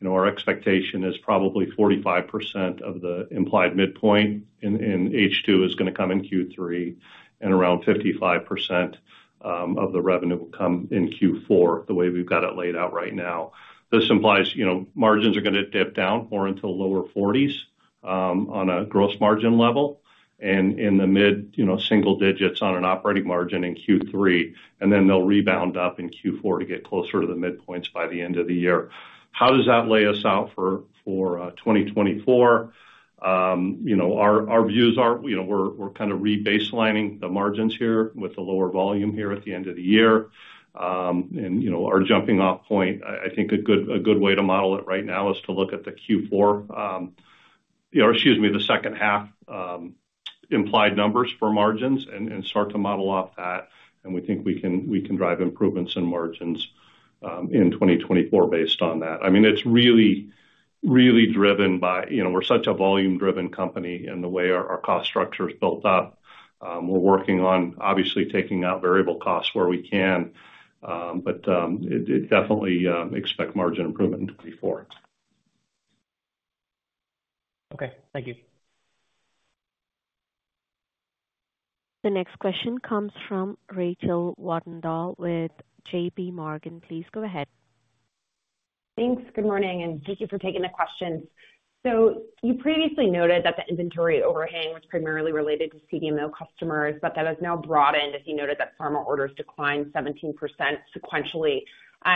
you know, our expectation is probably 45% of the implied midpoint in, in H2 is gonna come in Q3, and around 55% of the revenue will come in Q4, the way we've got it laid out right now. This implies, you know, margins are gonna dip down more into the lower 40s, on a gross margin level and in the mid, you know, single digits on an operating margin in Q3, and then they'll rebound up in Q4 to get closer to the midpoints by the end of the year. How does that lay us out for, for 2024? You know, our, our views are, you know, we're, we're kind of rebaselining the margins here with the lower volume here at the end of the year. You know, our jumping off point, I, I think a good, a good way to model it right now is to look at the Q4, you know, excuse me, the second half, implied numbers for margins and, and start to model off that, and we think we can, we can drive improvements in margins in 2024 based on that. I mean, it's really, really driven by. You know, we're such a volume-driven company in the way our, our cost structure is built up. We're working on, obviously, taking out variable costs where we can, but, it, it definitely, expect margin improvement in 2024. Okay, thank you. The next question comes from Rachel Vatnsdal with JPMorgan. Please go ahead. Thanks. Good morning, and thank you for taking the questions. You previously noted that the inventory overhang was primarily related to CDMO customers, but that has now broadened, as you noted, that pharma orders declined 17% sequentially.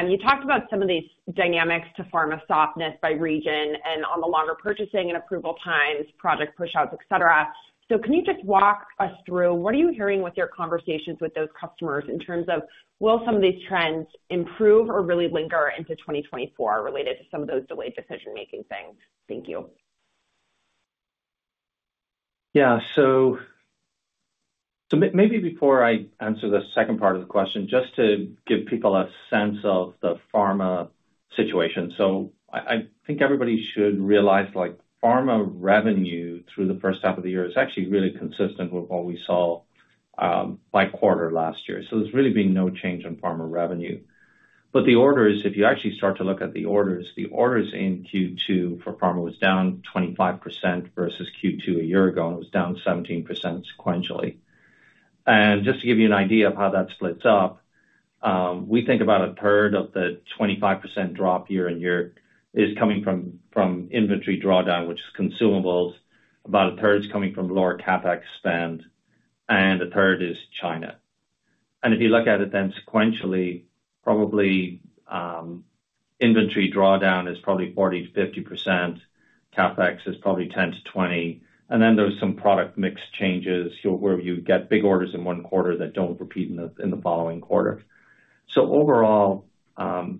You talked about some of these dynamics to pharma softness by region and on the longer purchasing and approval times, project pushouts, et cetera. Can you just walk us through, what are you hearing with your conversations with those customers in terms of, will some of these trends improve or really linger into 2024, related to some of those delayed decision-making things? Thank you. Yeah. Maybe before I answer the second part of the question, just to give people a sense of the pharma situation. I think everybody should realize, like, pharma revenue through the first half of the year is actually really consistent with what we saw by quarter last year. There's really been no change in pharma revenue. The orders, if you actually start to look at the orders, the orders in Q2 for pharma was down 25% versus Q2 a year ago, and it was down 17% sequentially. Just to give you an idea of how that splits up, we think about a third of the 25% drop year on year is coming from, from inventory drawdown, which is consumables. About a third is coming from lower CapEx spend, and a third is China. If you look at it then sequentially, probably, inventory drawdown is probably 40%-50%, CapEx is probably 10%-20%, and then there's some product mix changes, so where you get big orders in 1 quarter that don't repeat in the following quarter. Overall,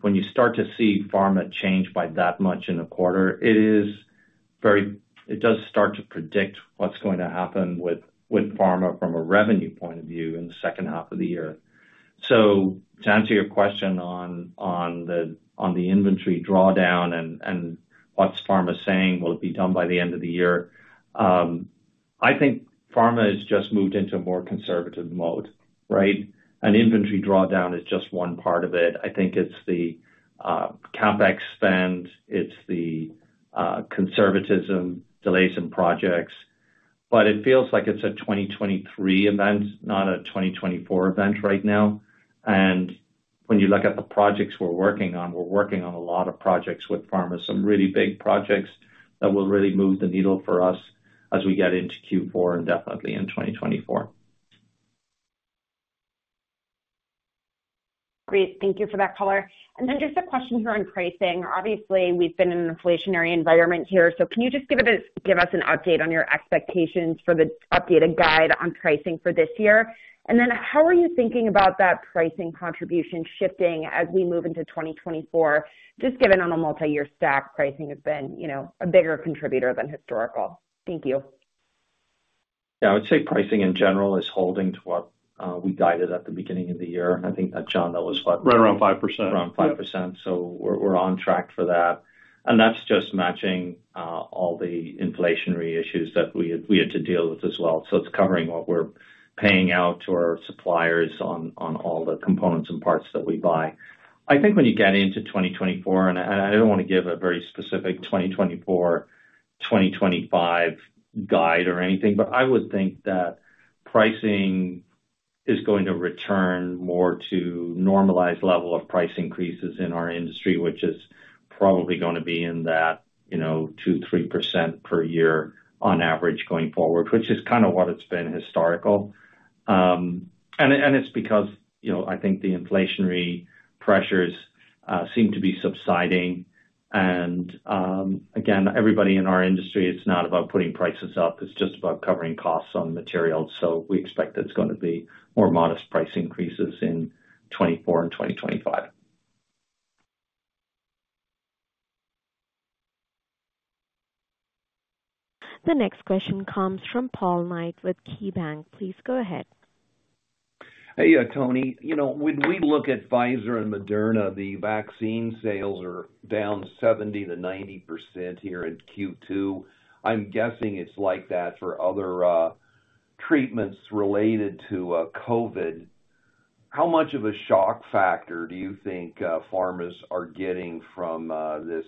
when you start to see pharma change by that much in a quarter, it does start to predict what's going to happen with pharma from a revenue point of view in the 2nd half of the year. To answer your question on the inventory drawdown and what's pharma saying, will it be done by the end of the year? I think pharma has just moved into a more conservative mode, right? Inventory drawdown is just one part of it. I think it's the CapEx spend, it's the conservatism, delays in projects, but it feels like it's a 2023 event, not a 2024 event right now. When you look at the projects we're working on, we're working on a lot of projects with pharma, some really big projects that will really move the needle for us as we get into Q4 and definitely in 2024. Great. Thank you for that color. Then just a question here on pricing. Obviously, we've been in an inflationary environment here, can you just give us, give us an update on your expectations for the updated guide on pricing for this year? Then how are you thinking about that pricing contribution shifting as we move into 2024, just given on a multi-year stack, pricing has been, you know, a bigger contributor than historical. Thank you. Yeah, I would say pricing in general is holding to what we guided at the beginning of the year. I think that, Jon, that was what? Right around 5%. Around 5%. We're, we're on track for that. That's just matching all the inflationary issues that we had, we had to deal with as well. It's covering what we're paying out to our suppliers on, on all the components and parts that we buy. I think when you get into 2024, and I, I don't want to give a very specific 2024-2025 guide or anything, but I would think that pricing is going to return more to normalized level of price increases in our industry, which is probably gonna be in that, you know, 2%-3% per year on average going forward, which is kind of what it's been historical. It's because, you know, I think the inflationary pressures seem to be subsiding. Again, everybody in our industry, it's not about putting prices up, it's just about covering costs on materials. We expect it's gonna be more modest price increases in 2024 and 2025. The next question comes from Paul Knight with KeyBanc. Please go ahead. Hey, Tony, you know, when we look at Pfizer and Moderna, the vaccine sales are down 70%-90% here in Q2. I'm guessing it's like that for other treatments related to COVID. How much of a shock factor do you think pharmas are getting from this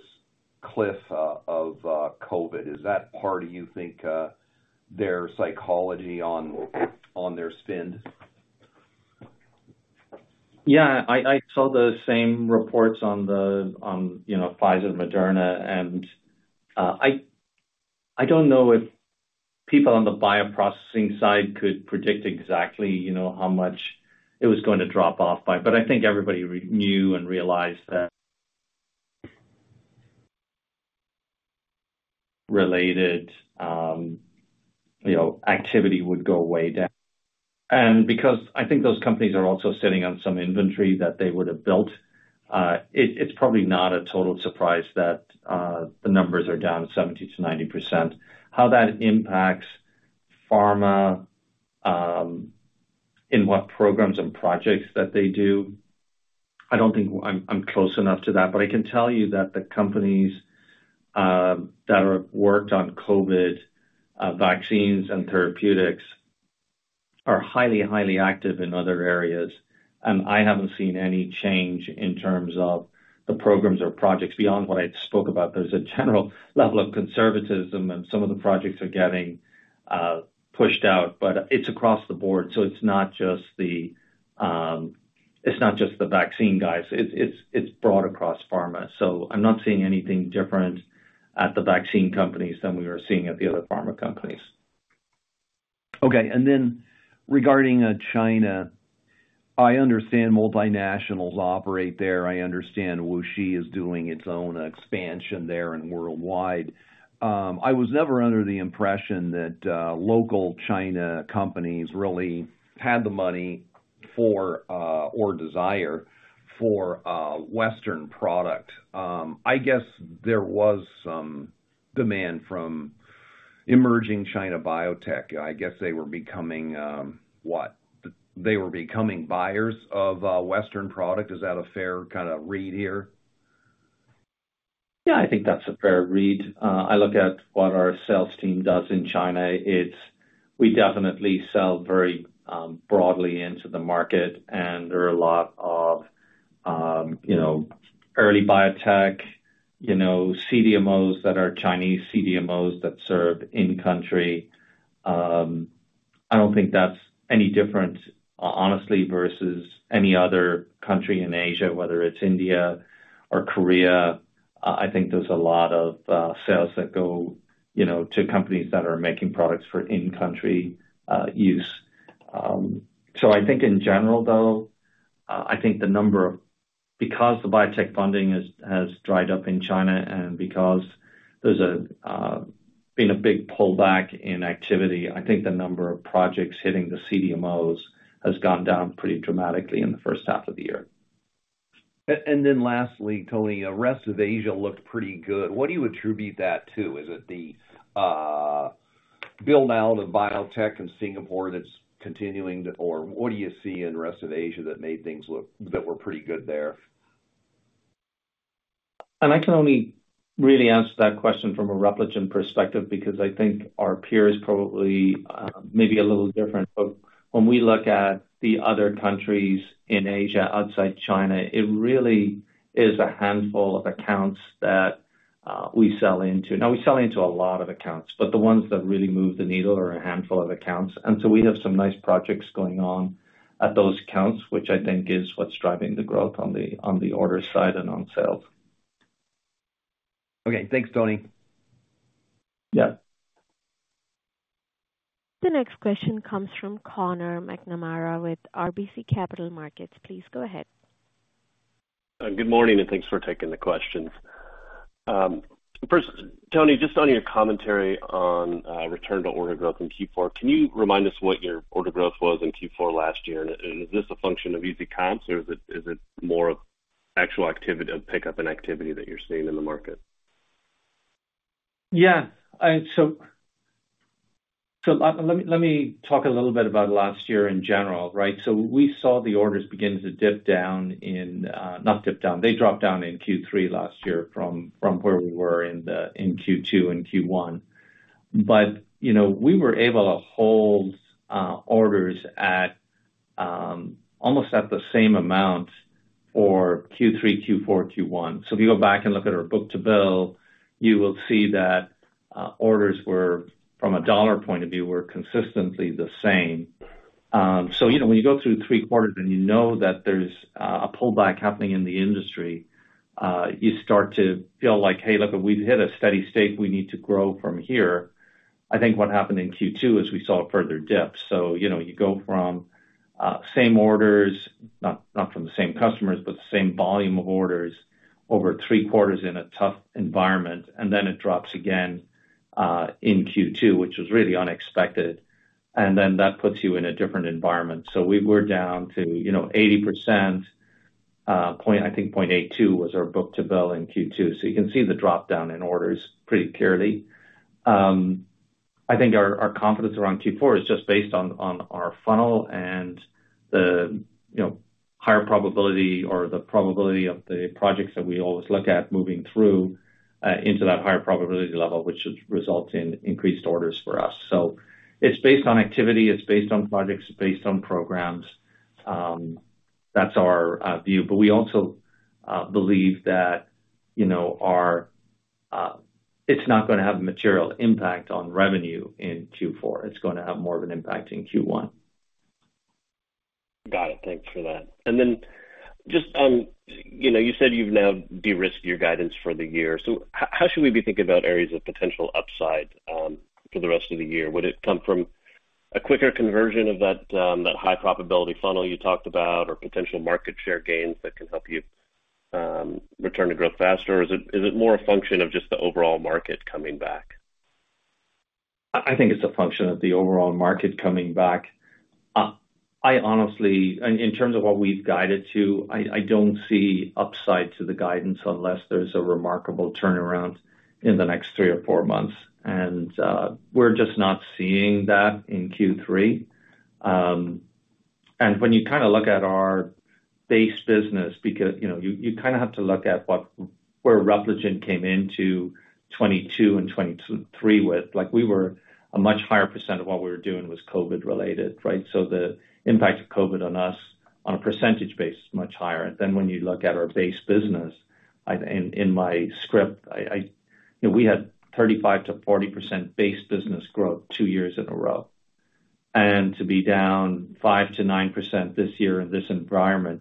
cliff of COVID? Is that part of, you think, their psychology on their spend? Yeah, I, I saw the same reports on, you know, Pfizer and Moderna, and I, I don't know if people on the bioprocessing side could predict exactly, you know, how much it was going to drop off by, but I think everybody knew and realized that... related, you know, activity would go way down. Because I think those companies are also sitting on some inventory that they would have built, it's probably not a total surprise that, the numbers are down 70%-90%. How that impacts pharma, in what programs and projects that they do, I don't think I'm, I'm close enough to that. I can tell you that the companies that have worked on COVID vaccines and therapeutics are highly, highly active in other areas, and I haven't seen any change in terms of the programs or projects beyond what I spoke about. There's a general level of conservatism, and some of the projects are getting pushed out, but it's across the board, so it's not just the, it's not just the vaccine guys. It's, it's, it's broad across pharma. I'm not seeing anything different at the vaccine companies than we are seeing at the other pharma companies. Okay. Then regarding China, I understand multinationals operate there. I understand WuXi is doing its own expansion there and worldwide. I was never under the impression that local China companies really had the money for or desire for Western product. I guess there was some demand from emerging China biotech. I guess they were becoming, what? They were becoming buyers of Western product. Is that a fair kind of read here? Yeah, I think that's a fair read. I look at what our sales team does in China. We definitely sell very broadly into the market, and there are a lot of, you know, early biotech, you know, CDMOs that are Chinese CDMOs that serve in-country. I don't think that's any different, honestly, versus any other country in Asia, whether it's India or Korea. I think there's a lot of sales that go, you know, to companies that are making products for in-country use. I think in general, though, I think the number of Because the biotech funding has, has dried up in China and because there's been a big pullback in activity, I think the number of projects hitting the CDMOs has gone down pretty dramatically in the first half of the year. Then lastly, Tony, rest of Asia looked pretty good. What do you attribute that to? Is it the, build-out of biotech in Singapore that's continuing to... Or what do you see in the rest of Asia that made things look, that were pretty good there? I can only really answer that question from a Repligen perspective, because I think our peers probably may be a little different. When we look at the other countries in Asia, outside China, it really is a handful of accounts that we sell into. Now, we sell into a lot of accounts, but the ones that really move the needle are a handful of accounts. We have some nice projects going on at those accounts, which I think is what's driving the growth on the, on the order side and on sales. Okay. Thanks, Tony. Yeah. The next question comes from Conor McNamara with RBC Capital Markets. Please go ahead. Good morning, and thanks for taking the questions. First, Tony, just on your commentary on return to order growth in Q4, can you remind us what your order growth was in Q4 last year? Is this a function of easy comps, or is it more of actual activity, a pickup in activity that you're seeing in the market? Yeah. So let me talk a little bit about last year in general, right? We saw the orders begin to dip down. Not dip down, they dropped down in Q3 last year from, from where we were in the, in Q2 and Q1. But, you know, we were able to hold orders at almost at the same amount for Q3, Q4, Q1. If you go back and look at our book-to-bill, you will see that orders were, from a dollar point of view, were consistently the same. You know, when you go through three quarters and you know that there's a pullback happening in the industry, you start to feel like, "Hey, look, we've hit a steady state. We need to grow from here." I think what happened in Q2 is we saw a further dip. You know, you go from same orders, not, not from the same customers, but the same volume of orders over three quarters in a tough environment, then it drops again in Q2, which was really unexpected. Then that puts you in a different environment. We were down to, you know, 80%, I think 0.82 was our book-to-bill in Q2, so you can see the drop-down in orders pretty clearly. I think our confidence around Q4 is just based on our funnel and the, you know, higher probability or the probability of the projects that we always look at moving through into that higher probability level, which should result in increased orders for us. It's based on activity, it's based on projects, it's based on programs. That's our view. We also believe that, you know, our... It's not gonna have a material impact on revenue in Q4. It's gonna have more of an impact in Q1. Got it. Thanks for that. Just on, you know, you said you've now de-risked your guidance for the year. How, how should we be thinking about areas of potential upside for the rest of the year? Would it come from a quicker conversion of that high probability funnel you talked about, or potential market share gains that can help you return to growth faster? Is it more a function of just the overall market coming back? I think it's a function of the overall market coming back. I honestly, in terms of what we've guided to, I don't see upside to the guidance unless there's a remarkable turnaround in the next 3 or 4 months. We're just not seeing that in Q3. When you kind of look at our base business, because, you know, you, you kind of have to look at where Repligen came into 2022 and 2023 with. Like, we were a much higher % of what we were doing was COVID-related, right? The impact of COVID on us, on a % basis, is much higher. When you look at our base business, in my script, I... You know, we had 35%-40% base business growth 2 years in a row. To be down 5%-9% this year in this environment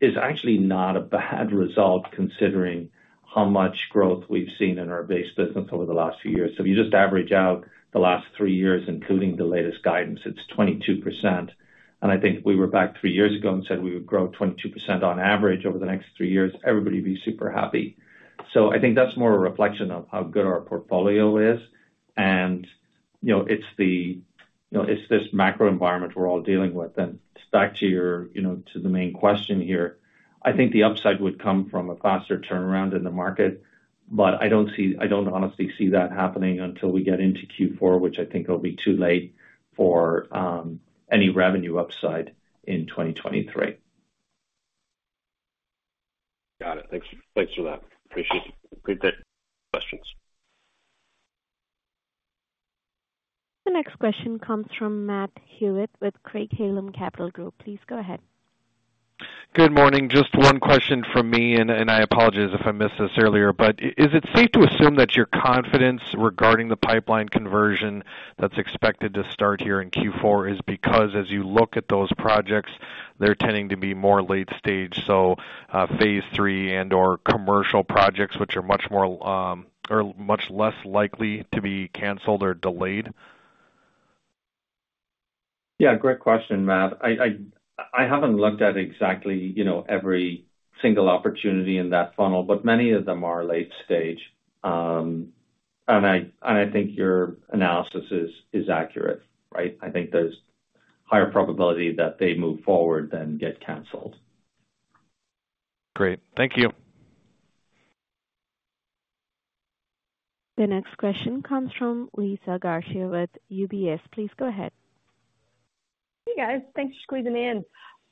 is actually not a bad result, considering how much growth we've seen in our base business over the last few years. If you just average out the last 3 years, including the latest guidance, it's 22%. I think if we were back 3 years ago and said we would grow 22% on average over the next 3 years, everybody would be super happy. I think that's more a reflection of how good our portfolio is. You know, it's the, you know, it's this macro environment we're all dealing with. Back to your, you know, to the main question here, I think the upside would come from a faster turnaround in the market, but I don't see, I don't honestly see that happening until we get into Q4, which I think will be too late for any revenue upside in 2023. Got it. Thanks, thanks for that. Appreciate it. Great questions. The next question comes from Matthew Hewitt with Craig-Hallum Capital Group. Please go ahead. Good morning. Just one question from me, and I apologize if I missed this earlier, but is it safe to assume that your confidence regarding the pipeline conversion that's expected to start here in Q4 is because, as you look at those projects, they're tending to be more late stage, so, phase three and/or commercial projects, which are much more, or much less likely to be canceled or delayed? Yeah, great question, Matt. I, I, I haven't looked at exactly, you know, every single opportunity in that funnel, but many of them are late stage. I, and I think your analysis is, is accurate, right? I think there's higher probability that they move forward than get canceled. Great. Thank you. The next question comes from Liza Garcia with UBS. Please go ahead. Hey, guys. Thanks for squeezing me in.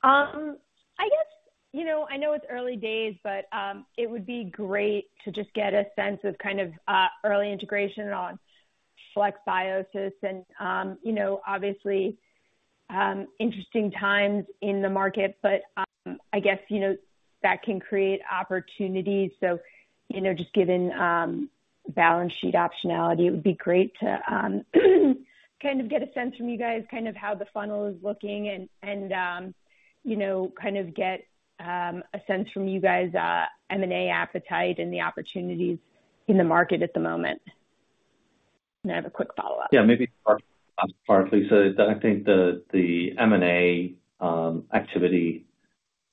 I guess, you know, I know it's early days, but, it would be great to just get a sense of kind of, early integration on FlexBiosys. You know, obviously, interesting times in the market, but, I guess, you know, that can create opportunities. You know, just given, balance sheet optionality, it would be great to, kind of get a sense from you guys, kind of how the funnel is looking and, and, you know, kind of get, a sense from you guys, M&A appetite and the opportunities in the market at the moment. I have a quick follow-up. Yeah, maybe part, Lisa, I think the, the M&A, activity,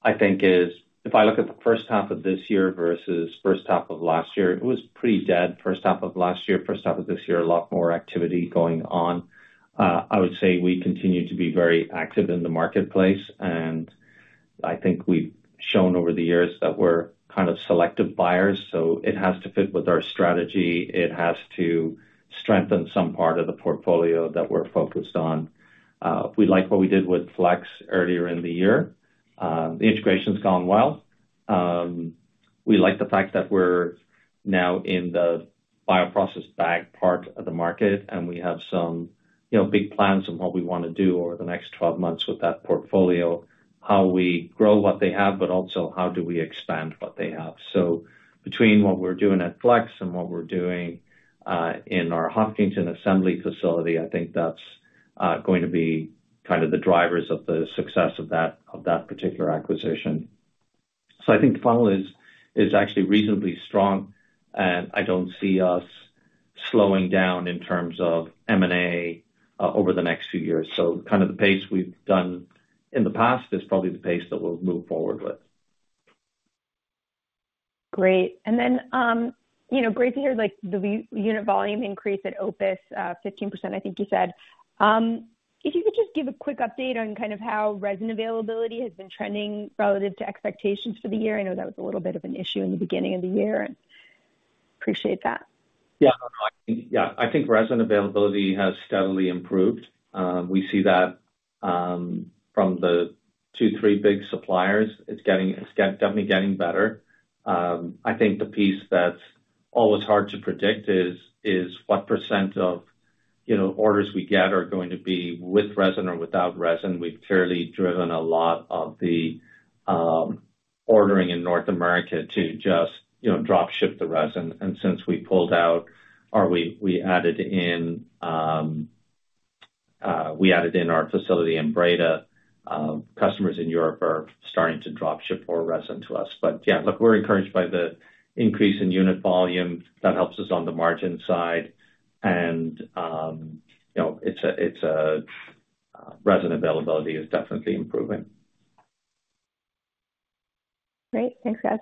I think is if I look at the first half of this year versus first half of last year, it was pretty dead first half of last year. First half of this year, a lot more activity going on. I would say we continue to be very active in the marketplace, and I think we've shown over the years that we're kind of selective buyers, so it has to fit with our strategy. It has to strengthen some part of the portfolio that we're focused on. We like what we did with Flex earlier in the year. The integration's gone well. We like the fact that we're now in the bioprocess bag part of the market, and we have some, you know, big plans on what we wanna do over the next 12 months with that portfolio, how we grow what they have, but also how do we expand what they have. Between what we're doing at Flex and what we're doing in our Hopkinton assembly facility, I think that's going to be kind of the drivers of the success of that, of that particular acquisition. I think the funnel is, is actually reasonably strong, and I don't see us slowing down in terms of M&A over the next few years. Kind of the pace we've done in the past is probably the pace that we'll move forward with. Great. You know, like, the unit volume increase at OPUS, 15%, I think you said. If you could just give a quick update on kind of how resin availability has been trending relative to expectations for the year. I know that was a little bit of an issue in the beginning of the year. Appreciate that. Yeah. Yeah, I think resin availability has steadily improved. We see that from the two, three big suppliers. It's getting... It's definitely getting better. I think the piece that's always hard to predict is, is what % of, you know, orders we get are going to be with resin or without resin. We've fairly driven a lot of the ordering in North America to just, you know, drop ship the resin. Since we pulled out or we, we added in, we added in our facility in Breda, customers in Europe are starting to drop ship more resin to us. Yeah, look, we're encouraged by the increase in unit volume. That helps us on the margin side. You know, it's a, it's a, resin availability is definitely improving. Great. Thanks, guys.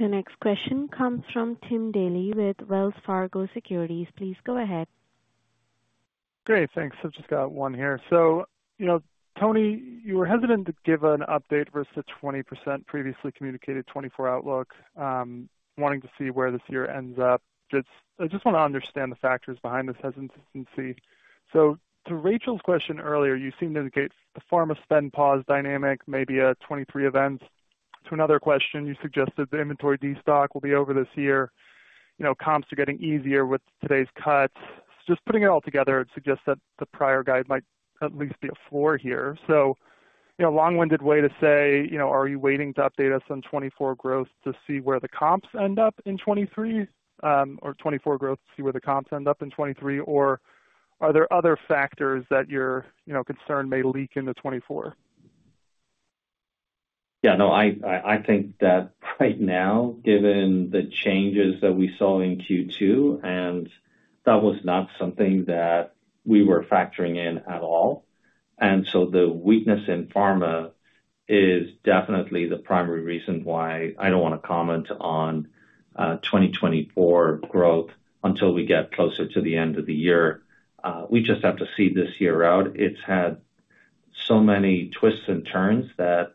The next question comes from Timothy Daley with Wells Fargo Securities. Please go ahead. Great. Thanks. I've just got one here. You know, Tony, you were hesitant to give an update versus the 20% previously communicated 2024 outlook, wanting to see where this year ends up. I just wanna understand the factors behind this hesitancy. To Rachel's question earlier, you seem to indicate the pharma spend pause dynamic may be a 2023 event. To another question, you suggested the inventory destock will be over this year. You know, comps are getting easier with today's cuts. Just putting it all together, it suggests that the prior guide might at least be a four here. Long-winded way to say, you know, are you waiting to update us on 2024 growth to see where the comps end up in 2023, or 2024 growth to see where the comps end up in 2023? Are there other factors that you're, you know, concerned may leak into 2024? Yeah. No, I, I, I think that right now, given the changes that we saw in Q2, that was not something that we were factoring in at all. So the weakness in pharma is definitely the primary reason why I don't wanna comment on 2024 growth until we get closer to the end of the year. We just have to see this year out. It's had so many twists and turns that,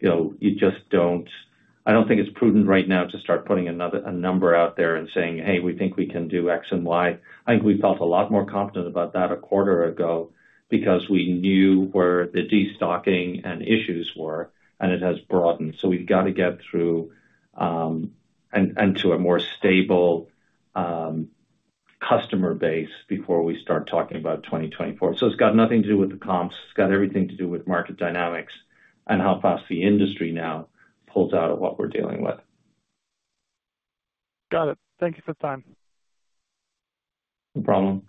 you know, you just don't. I don't think it's prudent right now to start putting another, a number out there and saying, "Hey, we think we can do X and Y." I think we felt a lot more confident about that a quarter ago because we knew where the destocking and issues were, it has broadened. We've got to get through, and, and to a more stable, customer base before we start talking about 2024. It's got nothing to do with the comps. It's got everything to do with market dynamics and how fast the industry now pulls out of what we're dealing with. Got it. Thank you for the time. No problem.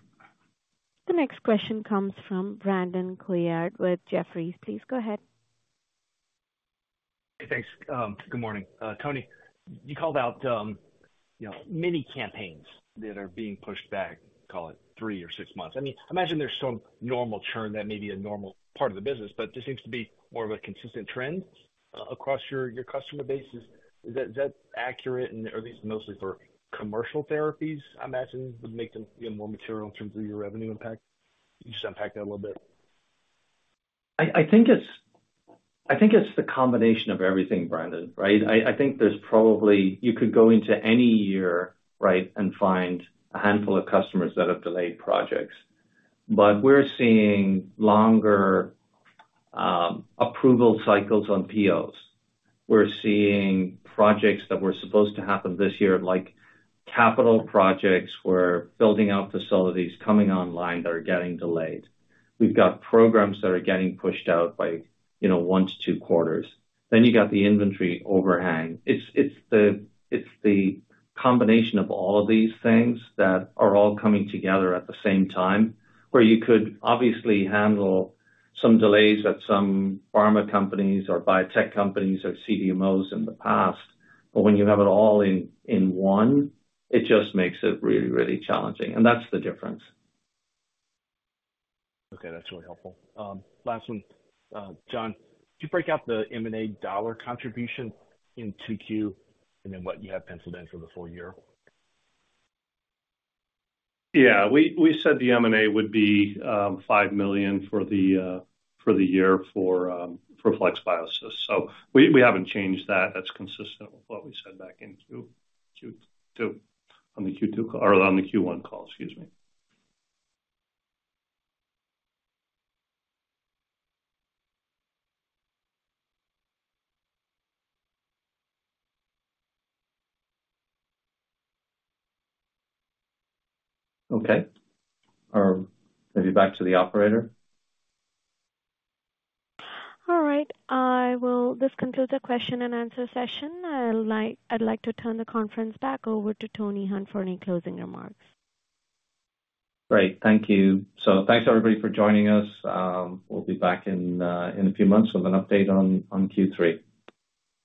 The next question comes from Brandon Couillard with Jefferies. Please go ahead. Hey, thanks. Good morning. Tony, you called out, you know, many campaigns that are being pushed back, call it 3 or 6 months. I mean, imagine there's some normal churn that may be a normal part of the business, but this seems to be more of a consistent trend across your, your customer base. Is that accurate? Are these mostly for commercial therapies, I'm imagining, would make them, you know, more material in terms of your revenue impact? Can you just unpack that a little bit? I think it's the combination of everything, Brandon, right? I think there's probably you could go into any year, right, and find a handful of customers that have delayed projects. We're seeing longer approval cycles on POs. We're seeing projects that were supposed to happen this year, like capital projects, we're building out facilities coming online that are getting delayed. We've got programs that are getting pushed out by, you know, one to two quarters. You got the inventory overhang. It's the combination of all of these things that are all coming together at the same time, where you could obviously handle some delays at some pharma companies or biotech companies or CDMOs in the past, but when you have it all in, in one, it just makes it really, really challenging, and that's the difference. Okay, that's really helpful. Last one. Jon, could you break out the M&A $ contribution in Q2, and then what you have penciled in for the full year? Yeah, we, we said the M&A would be $5 million for the, for the year for, for FlexBiosys. We, we haven't changed that. That's consistent with what we said back in Q, Q2, on the Q2 call, or on the Q1 call, excuse me. Okay. Maybe back to the operator. All right. I will. This concludes the question and answer session. I'd like, I'd like to turn the conference back over to Tony Hunt for any closing remarks. Great. Thank you. thanks, everybody, for joining us. We'll be back in a few months with an update on, on Q3.